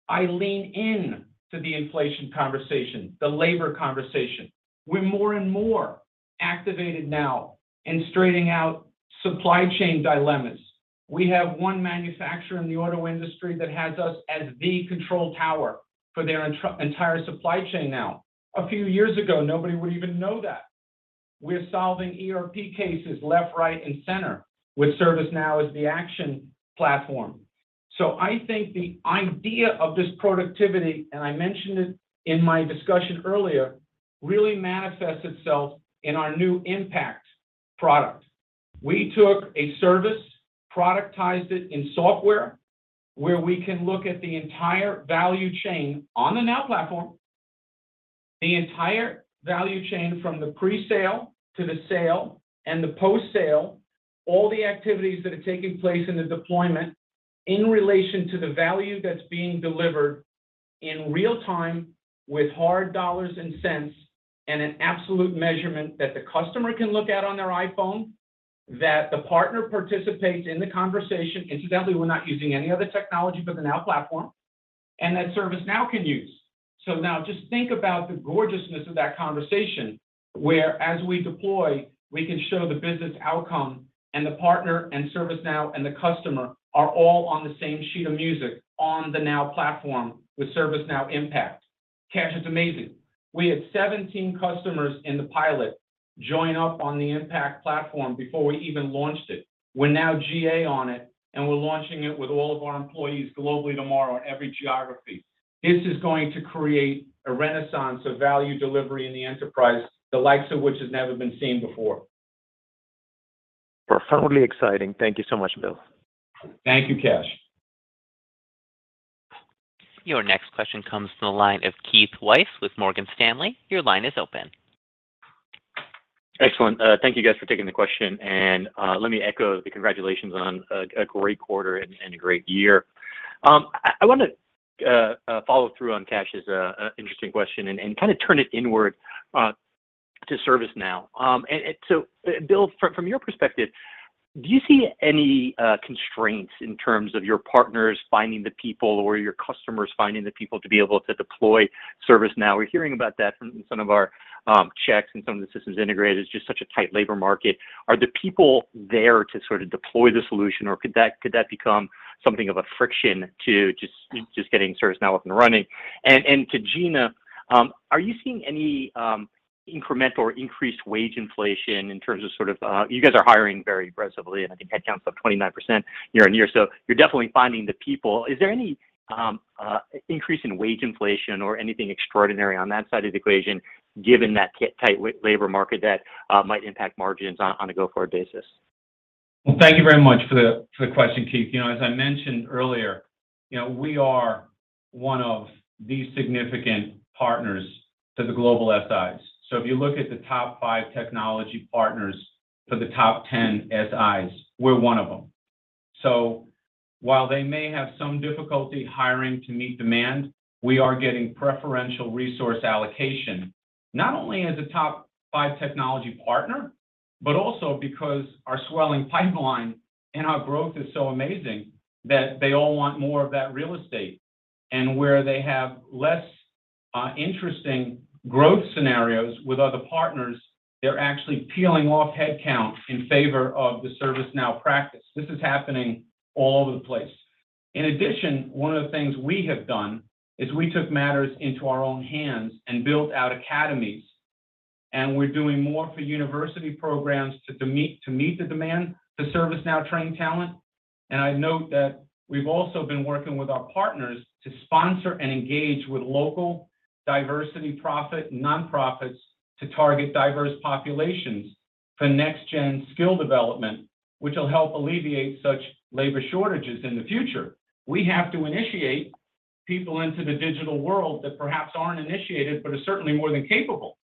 I lean in to the inflation conversation, the labor conversation. We're more and more activated now in straightening out supply chain dilemmas. We have one manufacturer in the auto industry that has us as the control tower for their entire supply chain now. A few years ago, nobody would even know that. We're solving ERP cases left, right, and center with ServiceNow as the action platform. I think the idea of this productivity, and I mentioned it in my discussion earlier, really manifests itself in our new Impact product. We took a service, productized it in software, where we can look at the entire value chain on the Now Platform, the entire value chain from the pre-sale to the sale and the post-sale, all the activities that are taking place in the deployment in relation to the value that's being delivered in real time with hard dollars and cents and an absolute measurement that the customer can look at on their iPhone, that the partner participates in the conversation. Incidentally, we're not using any other technology but the Now Platform, and that ServiceNow can use. Now just think about the gorgeousness of that conversation, where as we deploy, we can show the business outcome and the partner and ServiceNow and the customer are all on the same sheet of music on the Now Platform with ServiceNow Impact. Kash, it's amazing. We had 17 customers in the pilot join up on the Impact platform before we even launched it. We're now GA on it, and we're launching it with all of our employees globally tomorrow in every geography. This is going to create a renaissance of value delivery in the enterprise, the likes of which has never been seen before. Profoundly exciting. Thank you so much, Bill. Thank you, Kash. Your next question comes from the line of Keith Weiss with Morgan Stanley. Your line is open. Excellent. Thank you guys for taking the question. Let me echo the congratulations on a great quarter and a great year. I want to follow through on Kash's interesting question and kind of turn it inward to ServiceNow. Bill, from your perspective, do you see any constraints in terms of your partners finding the people or your customers finding the people to be able to deploy ServiceNow? We're hearing about that from some of our checks and some of the systems integrators, just such a tight labor market. Are the people there to sort of deploy the solution or could that become something of a friction to just getting ServiceNow up and running? To Gina, are you seeing any incremental or increased wage inflation in terms of sort of, you guys are hiring very aggressively, and I think headcounts up 29% year-over-year. You're definitely finding the people. Is there any increase in wage inflation or anything extraordinary on that side of the equation, given that tight labor market that might impact margins on a go-forward basis? Well, thank you very much for the question, Keith. You know, as I mentioned earlier, you know, we are one of the significant partners to the global SIs. So if you look at the top five technology partners for the top ten SIs, we're one of them. So while they may have some difficulty hiring to meet demand, we are getting preferential resource allocation, not only as a top five technology partner, but also because our swelling pipeline and our growth is so amazing that they all want more of that real estate. And where they have less, interesting growth scenarios with other partners, they're actually peeling off headcount in favor of the ServiceNow practice. This is happening all over the place. In addition, one of the things we have done is we took matters into our own hands and built out academies. We're doing more for university programs to meet the demand for ServiceNow trained talent. I note that we've also been working with our partners to sponsor and engage with local diversity-focused nonprofits to target diverse populations for next gen skill development, which will help alleviate such labor shortages in the future. We have to initiate people into the digital world that perhaps aren't initiated, but are certainly more than capable.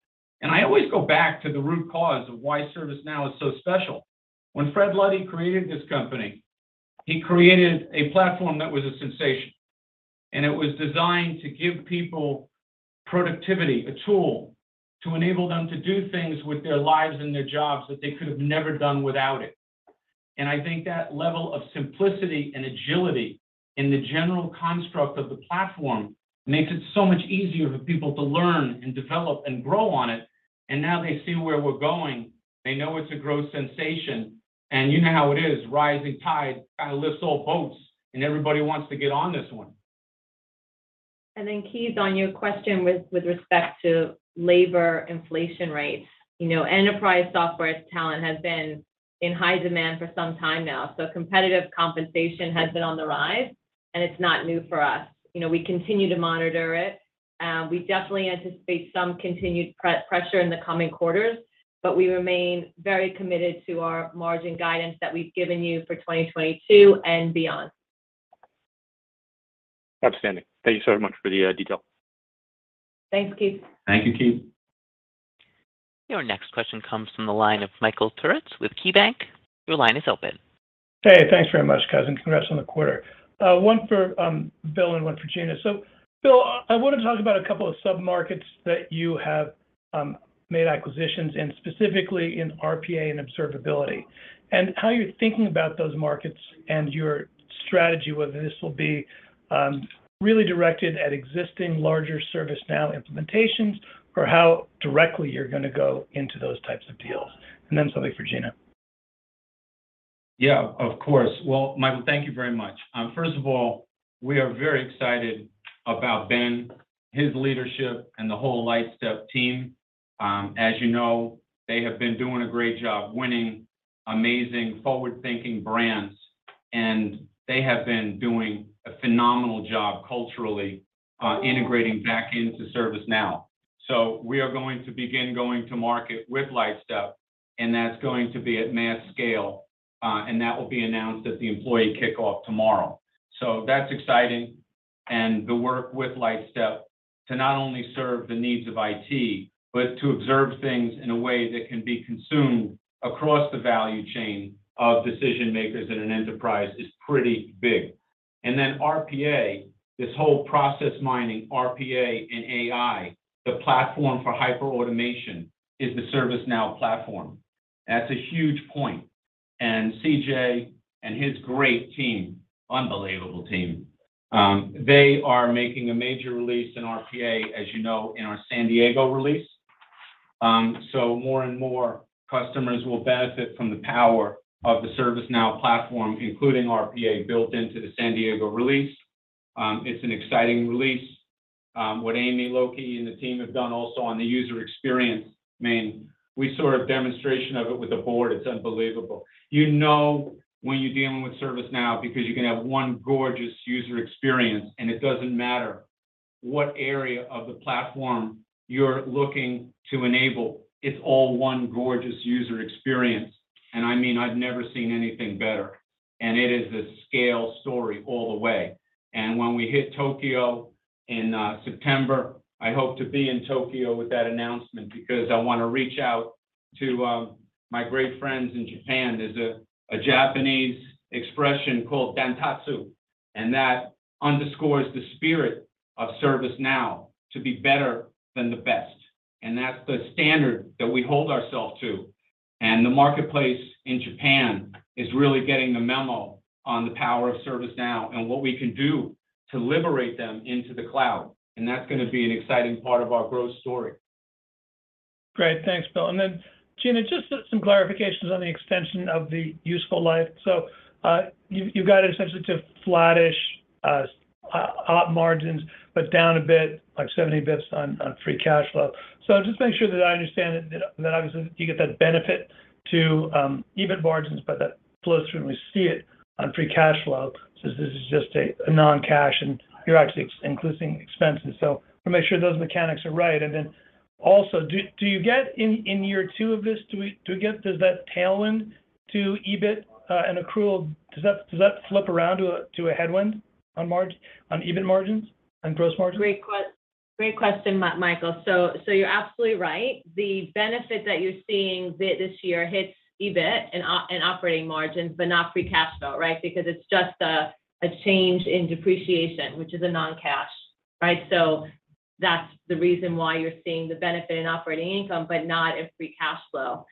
I always go back to the root cause of why ServiceNow is so special. When Fred Luddy created this company, he created a platform that was a sensation. It was designed to give people productivity, a tool to enable them to do things with their lives and their jobs that they could have never done without it. I think that level of simplicity and agility in the general construct of the platform makes it so much easier for people to learn and develop and grow on it. Now they see where we're going. They know it's a growth sensation. You know how it is, rising tide lifts all boats, and everybody wants to get on this one. Keith, on your question with respect to labor inflation rates, you know, enterprise software talent has been in high demand for some time now. Competitive compensation has been on the rise, and it's not new for us. You know, we continue to monitor it. We definitely anticipate some continued price pressure in the coming quarters, but we remain very committed to our margin guidance that we've given you for 2022 and beyond. Outstanding. Thank you so much for the detail. Thanks, Keith. Thank you, Keith. Your next question comes from the line of Michael Turits with KeyBanc. Your line is open. Hey, thanks very much, guys, and congrats on the quarter. One for Bill and one for Gina. Bill, I wanna talk about a couple of sub-markets that you have made acquisitions in, specifically in RPA and observability. How you're thinking about those markets and your strategy, whether this will be really directed at existing larger ServiceNow implementations or how directly you're gonna go into those types of deals. Then something for Gina. Yeah, of course. Well, Michael, thank you very much. First of all, we are very excited about Ben, his leadership, and the whole Lightstep team. As you know, they have been doing a great job winning amazing forward-thinking brands, and they have been doing a phenomenal job culturally integrating back into ServiceNow. We are going to begin going to market with Lightstep, and that's going to be at mass scale, and that will be announced at the employee kickoff tomorrow. That's exciting. The work with Lightstep to not only serve the needs of IT, but to observe things in a way that can be consumed across the value chain of decision-makers in an enterprise is pretty big. Then RPA, this whole process mining RPA and AI, the platform for hyperautomation is the ServiceNow platform. That's a huge point. CJ and his great team, unbelievable team, they are making a major release in RPA, as you know, in our San Diego release. More and more customers will benefit from the power of the ServiceNow platform, including RPA built into the San Diego release. It's an exciting release. What Amy Lokey and the team have done also on the user experience, I mean, we saw a demonstration of it with the board. It's unbelievable. You know, when you're dealing with ServiceNow because you can have one gorgeous user experience, and it doesn't matter what area of the platform you're looking to enable. It's all one gorgeous user experience. I mean, I've never seen anything better. It is a scale story all the way. When we hit Tokyo in September, I hope to be in Tokyo with that announcement because I wanna reach out to my great friends in Japan. There's a Japanese expression called Dantotsu, and that underscores the spirit of ServiceNow to be better than the best. That's the standard that we hold ourselves to. The marketplace in Japan is really getting the memo on the power of ServiceNow and what we can do to liberate them into the cloud. That's gonna be an exciting part of our growth story. Great. Thanks, Bill. Gina, just some clarifications on the extension of the useful life. You got it essentially to flattish op margins, but down a bit, like 70 basis points on free cash flow. Just make sure that I understand that obviously you get that benefit to EBIT margins, but that flows through and we see it on free cash flow. This is just a non-cash, and you're actually including expenses. Wanna make sure those mechanics are right. Also, do you get in year two of this, do we get? Does that tailwind to EBIT and accrual, does that flip around to a headwind on EBIT margins, on gross margins? Great question, Michael. You're absolutely right. The benefit that you're seeing this year hits EBIT and operating margins, but not free cash flow, right? Because it's just a change in depreciation, which is a non-cash, right? That's the reason why you're seeing the benefit in operating income but not in free cash flow.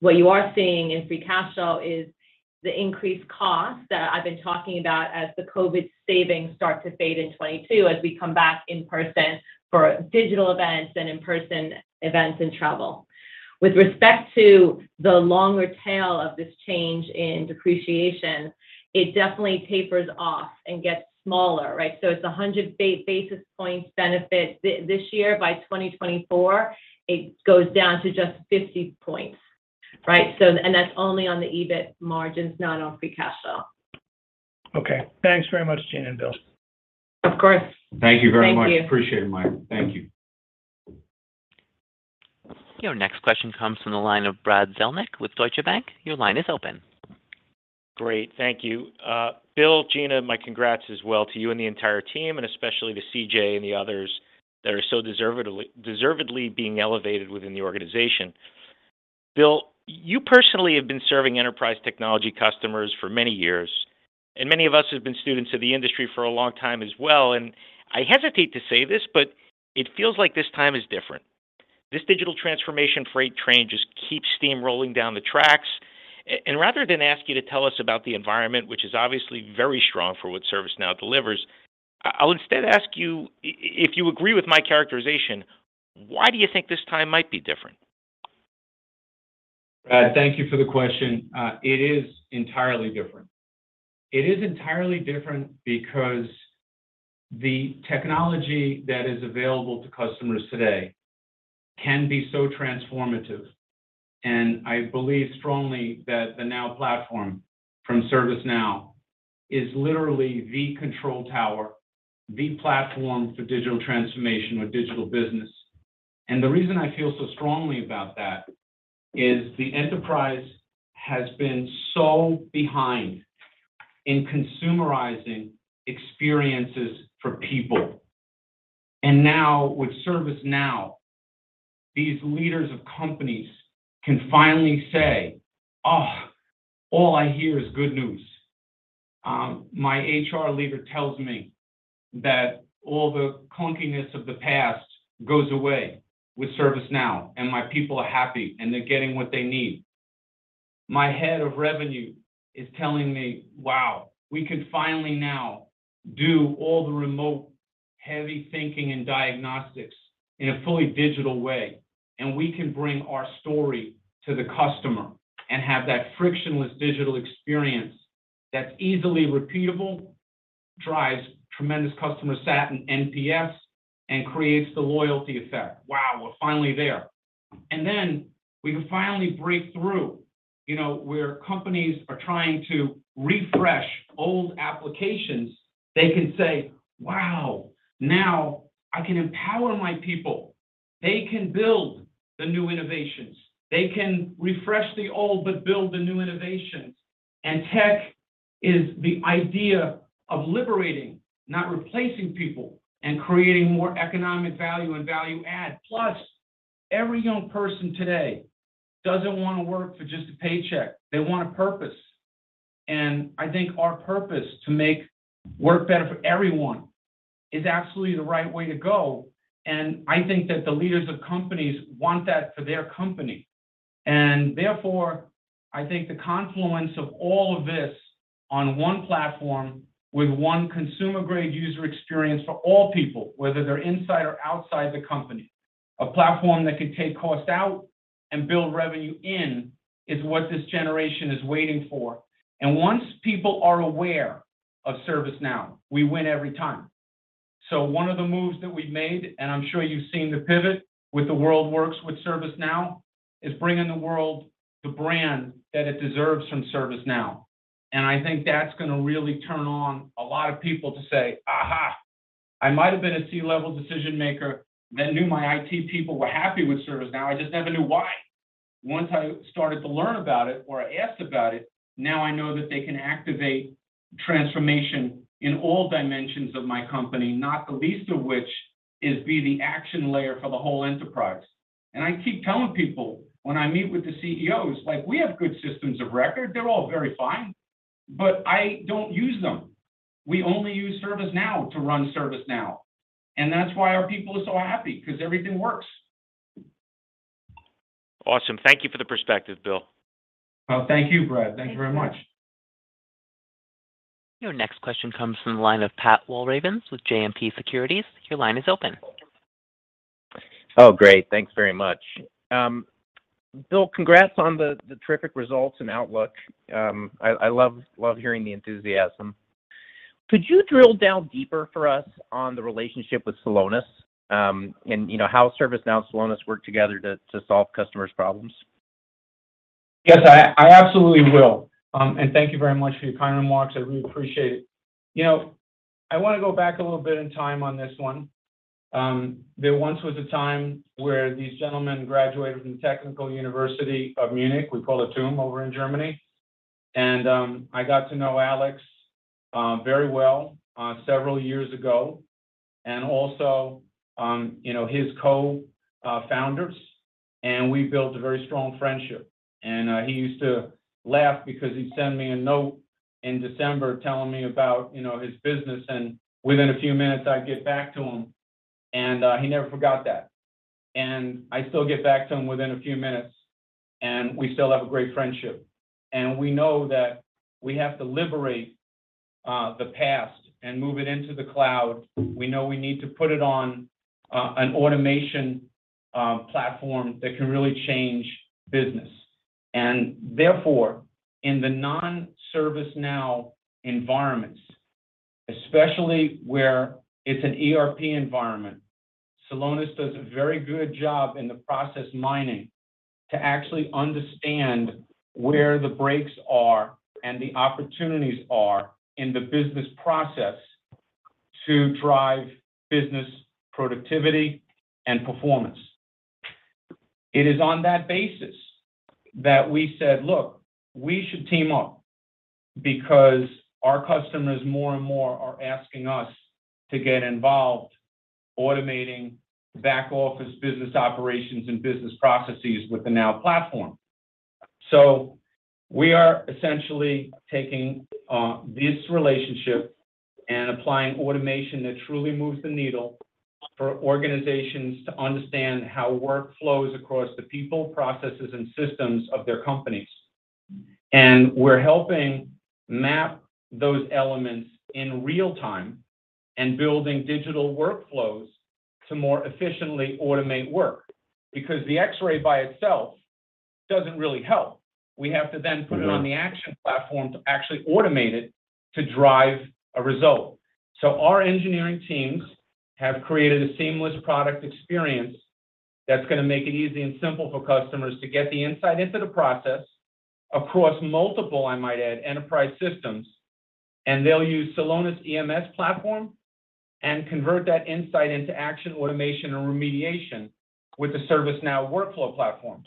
What you are seeing in free cash flow is the increased cost that I've been talking about as the COVID savings start to fade in 2022 as we come back in person for digital events and in-person events and travel. With respect to the longer tail of this change in depreciation, it definitely tapers off and gets smaller, right? It's 100 basis points benefit this year. By 2024, it goes down to just 50 points, right? That's only on the EBIT margins, not on free cash flow. Okay. Thanks very much, Gina and Bill. Of course. Thank you very much. Thank you. Appreciate it, Michael. Thank you. Your next question comes from the line of Brad Zelnick with Deutsche Bank. Your line is open. Great. Thank you. Bill, Gina, my congrats as well to you and the entire team, and especially to CJ and the others that are so deservedly being elevated within the organization. Bill, you personally have been serving enterprise technology customers for many years, and many of us have been students of the industry for a long time as well. I hesitate to say this, but it feels like this time is different. This digital transformation freight train just keeps steamrolling down the tracks. And rather than ask you to tell us about the environment, which is obviously very strong for what ServiceNow delivers, I'll instead ask you, if you agree with my characterization, why do you think this time might be different? Brad, thank you for the question. It is entirely different because the technology that is available to customers today can be so transformative. I believe strongly that the Now Platform from ServiceNow is literally the control tower, the platform for digital transformation or digital business. The reason I feel so strongly about that is the enterprise has been so behind in consumerizing experiences for people. Now with ServiceNow, these leaders of companies can finally say, "Ugh, all I hear is good news." My HR leader tells me that all the clunkiness of the past goes away with ServiceNow, and my people are happy, and they're getting what they need. My head of revenue is telling me, "Wow, we can finally now do all the remote heavy thinking and diagnostics in a fully digital way, and we can bring our story to the customer and have that frictionless digital experience that's easily repeatable, drives tremendous customer sat and NPS, and creates the loyalty effect. Wow, we're finally there." We can finally break through, you know, where companies are trying to refresh old applications. They can say, "Wow, now I can empower my people. They can build the new innovations. They can refresh the old but build the new innovations." Tech is the idea of liberating, not replacing people, and creating more economic value and value add. Plus, every young person today doesn't wanna work for just a paycheck. They want a purpose. I think our purpose to make work better for everyone is absolutely the right way to go. I think that the leaders of companies want that for their company. Therefore, I think the confluence of all of this on one platform with one consumer-grade user experience for all people, whether they're inside or outside the company, a platform that could take cost out and build revenue in is what this generation is waiting for. Once people are aware of ServiceNow, we win every time. One of the moves that we made, and I'm sure you've seen the pivot with The world works with ServiceNow, is bringing the world the brand that it deserves from ServiceNow. I think that's gonna really turn on a lot of people to say, "Aha, I might have been a C-level decision maker that knew my IT people were happy with ServiceNow. I just never knew why. Once I started to learn about it or I asked about it, now I know that they can activate transformation in all dimensions of my company, not the least of which is be the action layer for the whole enterprise." I keep telling people when I meet with the CEOs, like, we have good systems of record. They're all very fine, but I don't use them. We only use ServiceNow to run ServiceNow, and that's why our people are so happy, 'cause everything works. Awesome. Thank you for the perspective, Bill. Well, thank you, Brad. Thanks very much. Your next question comes from the line of Pat Walravens with JMP Securities. Your line is open. Oh, great. Thanks very much. Bill, congrats on the terrific results and outlook. I love hearing the enthusiasm. Could you drill down deeper for us on the relationship with Celonis, and you know, how ServiceNow and Celonis work together to solve customers' problems? Yes, I absolutely will. Thank you very much for your kind remarks. I really appreciate it. You know, I wanna go back a little bit in time on this one. There once was a time where these gentlemen graduated from Technical University of Munich. We call it TUM over in Germany. I got to know Alex very well several years ago, and also, you know, his founders, and we built a very strong friendship. He used to laugh because he'd send me a note in December telling me about his business, and within a few minutes I'd get back to him, and he never forgot that. I still get back to him within a few minutes, and we still have a great friendship. We know that we have to liberate the past and move it into the cloud. We know we need to put it on an automation platform that can really change business. Therefore, in the non-ServiceNow environments, especially where it's an ERP environment, Celonis does a very good job in the process mining to actually understand where the breaks are and the opportunities are in the business process to drive business productivity and performance. It is on that basis that we said, "Look, we should team up because our customers more and more are asking us to get involved automating back office business operations and business processes with the Now Platform." We are essentially taking this relationship and applying automation that truly moves the needle for organizations to understand how work flows across the people, processes, and systems of their companies. We're helping map those elements in real time and building digital workflows to more efficiently automate work. Because the X-ray by itself doesn't really help. We have to then put it on the action platform to actually automate it to drive a result. Our engineering teams have created a seamless product experience that's gonna make it easy and simple for customers to get the insight into the process across multiple, I might add, enterprise systems, and they'll use Celonis EMS platform and convert that insight into action automation or remediation with the ServiceNow workflow platforms.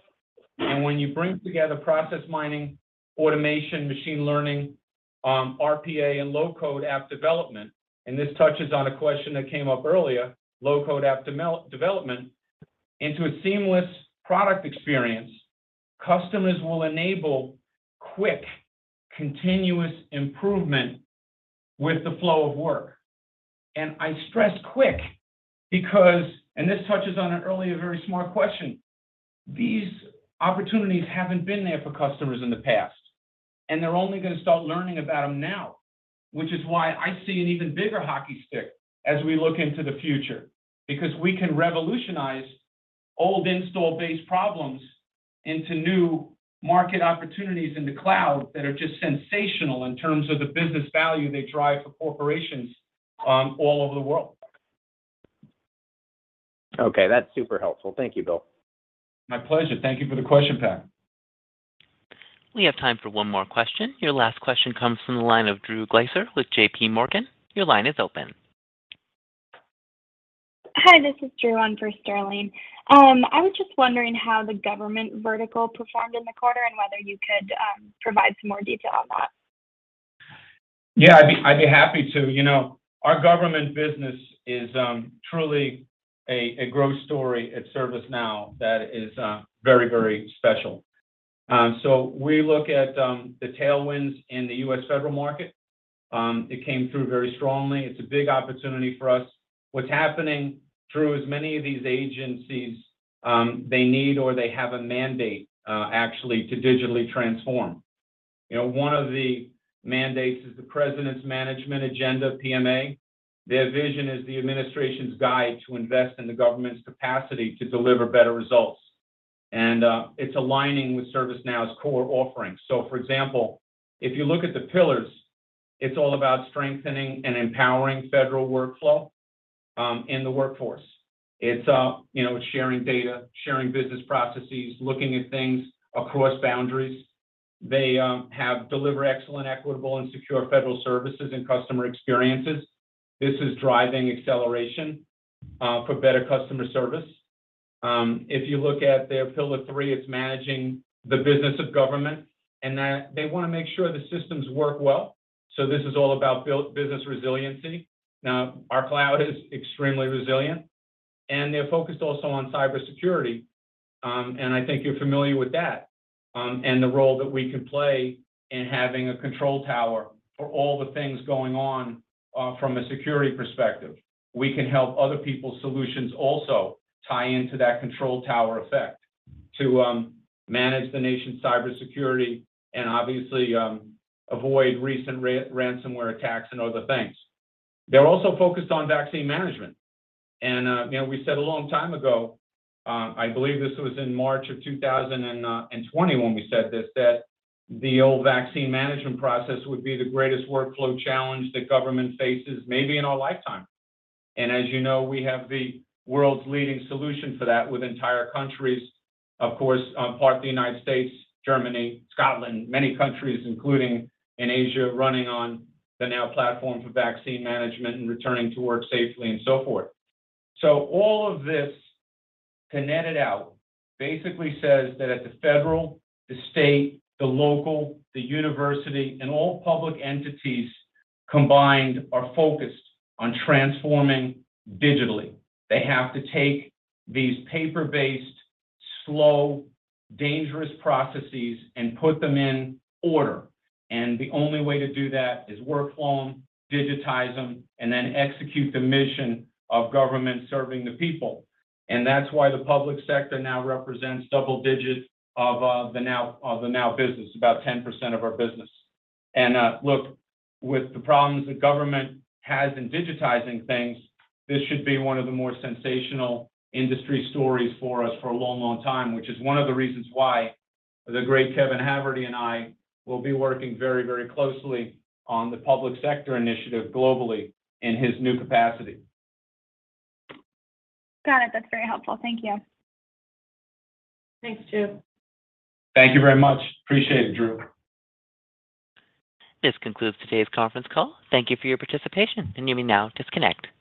When you bring together process mining, automation, machine learning, RPA, and low-code app development, and this touches on a question that came up earlier, low-code app development, into a seamless product experience, customers will enable quick, continuous improvement with the flow of work. I stress quick because, and this touches on an earlier, very smart question, these opportunities haven't been there for customers in the past, and they're only gonna start learning about them now, which is why I see an even bigger hockey stick as we look into the future. Because we can revolutionize old install-based problems into new market opportunities in the cloud that are just sensational in terms of the business value they drive for corporations, all over the world. Okay, that's super helpful. Thank you, Bill. My pleasure. Thank you for the question, Pat. We have time for one more question. Your last question comes from the line of Drew Glaeser with J.P. Morgan. Your line is open. Hi, this is Drew on for Sterling. I was just wondering how the government vertical performed in the quarter and whether you could provide some more detail on that. Yeah, I'd be happy to. You know, our government business is truly a growth story at ServiceNow that is very, very special. We look at the tailwinds in the U.S. federal market. It came through very strongly. It's a big opportunity for us. What's happening, Drew, is many of these agencies they need or they have a mandate actually to digitally transform. You know, one of the mandates is the President's Management Agenda, PMA. Their vision is the administration's guide to invest in the government's capacity to deliver better results. It's aligning with ServiceNow's core offerings. For example, if you look at the pillars, it's all about strengthening and empowering federal workflow in the workforce. You know, sharing data, sharing business processes, looking at things across boundaries. They have to deliver excellent, equitable, and secure federal services and customer experiences. This is driving acceleration for better customer service. If you look at their pillar three, it's managing the business of government and that they wanna make sure the systems work well, so this is all about business resiliency. Now, our cloud is extremely resilient, and they're focused also on cybersecurity, and I think you're familiar with that, and the role that we can play in having a control tower for all the things going on from a security perspective. We can help other people's solutions also tie into that control tower effect to manage the nation's cybersecurity and obviously avoid recent ransomware attacks and other things. They're also focused on vaccine management. You know, we said a long time ago, I believe this was in March 2020 when we said this, that the old vaccine management process would be the greatest workflow challenge that government faces maybe in our lifetime. As you know, we have the world's leading solution for that with entire countries, of course, including the United States, Germany, Scotland, many countries, including in Asia, running on the Now Platform for vaccine management and returning to work safely and so forth. All of this, to net it out, basically says that at the federal, the state, the local, the university, and all public entities combined are focused on transforming digitally. They have to take these paper-based, slow, dangerous processes and put them in order. The only way to do that is workflow them, digitize them, and then execute the mission of government serving the people. That's why the public sector now represents double digits of the Now, of the Now business, about 10% of our business. Look, with the problems the government has in digitizing things, this should be one of the more sensational industry stories for us for a long, long time, which is one of the reasons why the great Kevin Haverty and I will be working very, very closely on the public sector initiative globally in his new capacity. Got it. That's very helpful. Thank you. Thanks, Drew. Thank you very much. I appreciate it, Drew. This concludes today's conference call. Thank you for your participation, and you may now disconnect.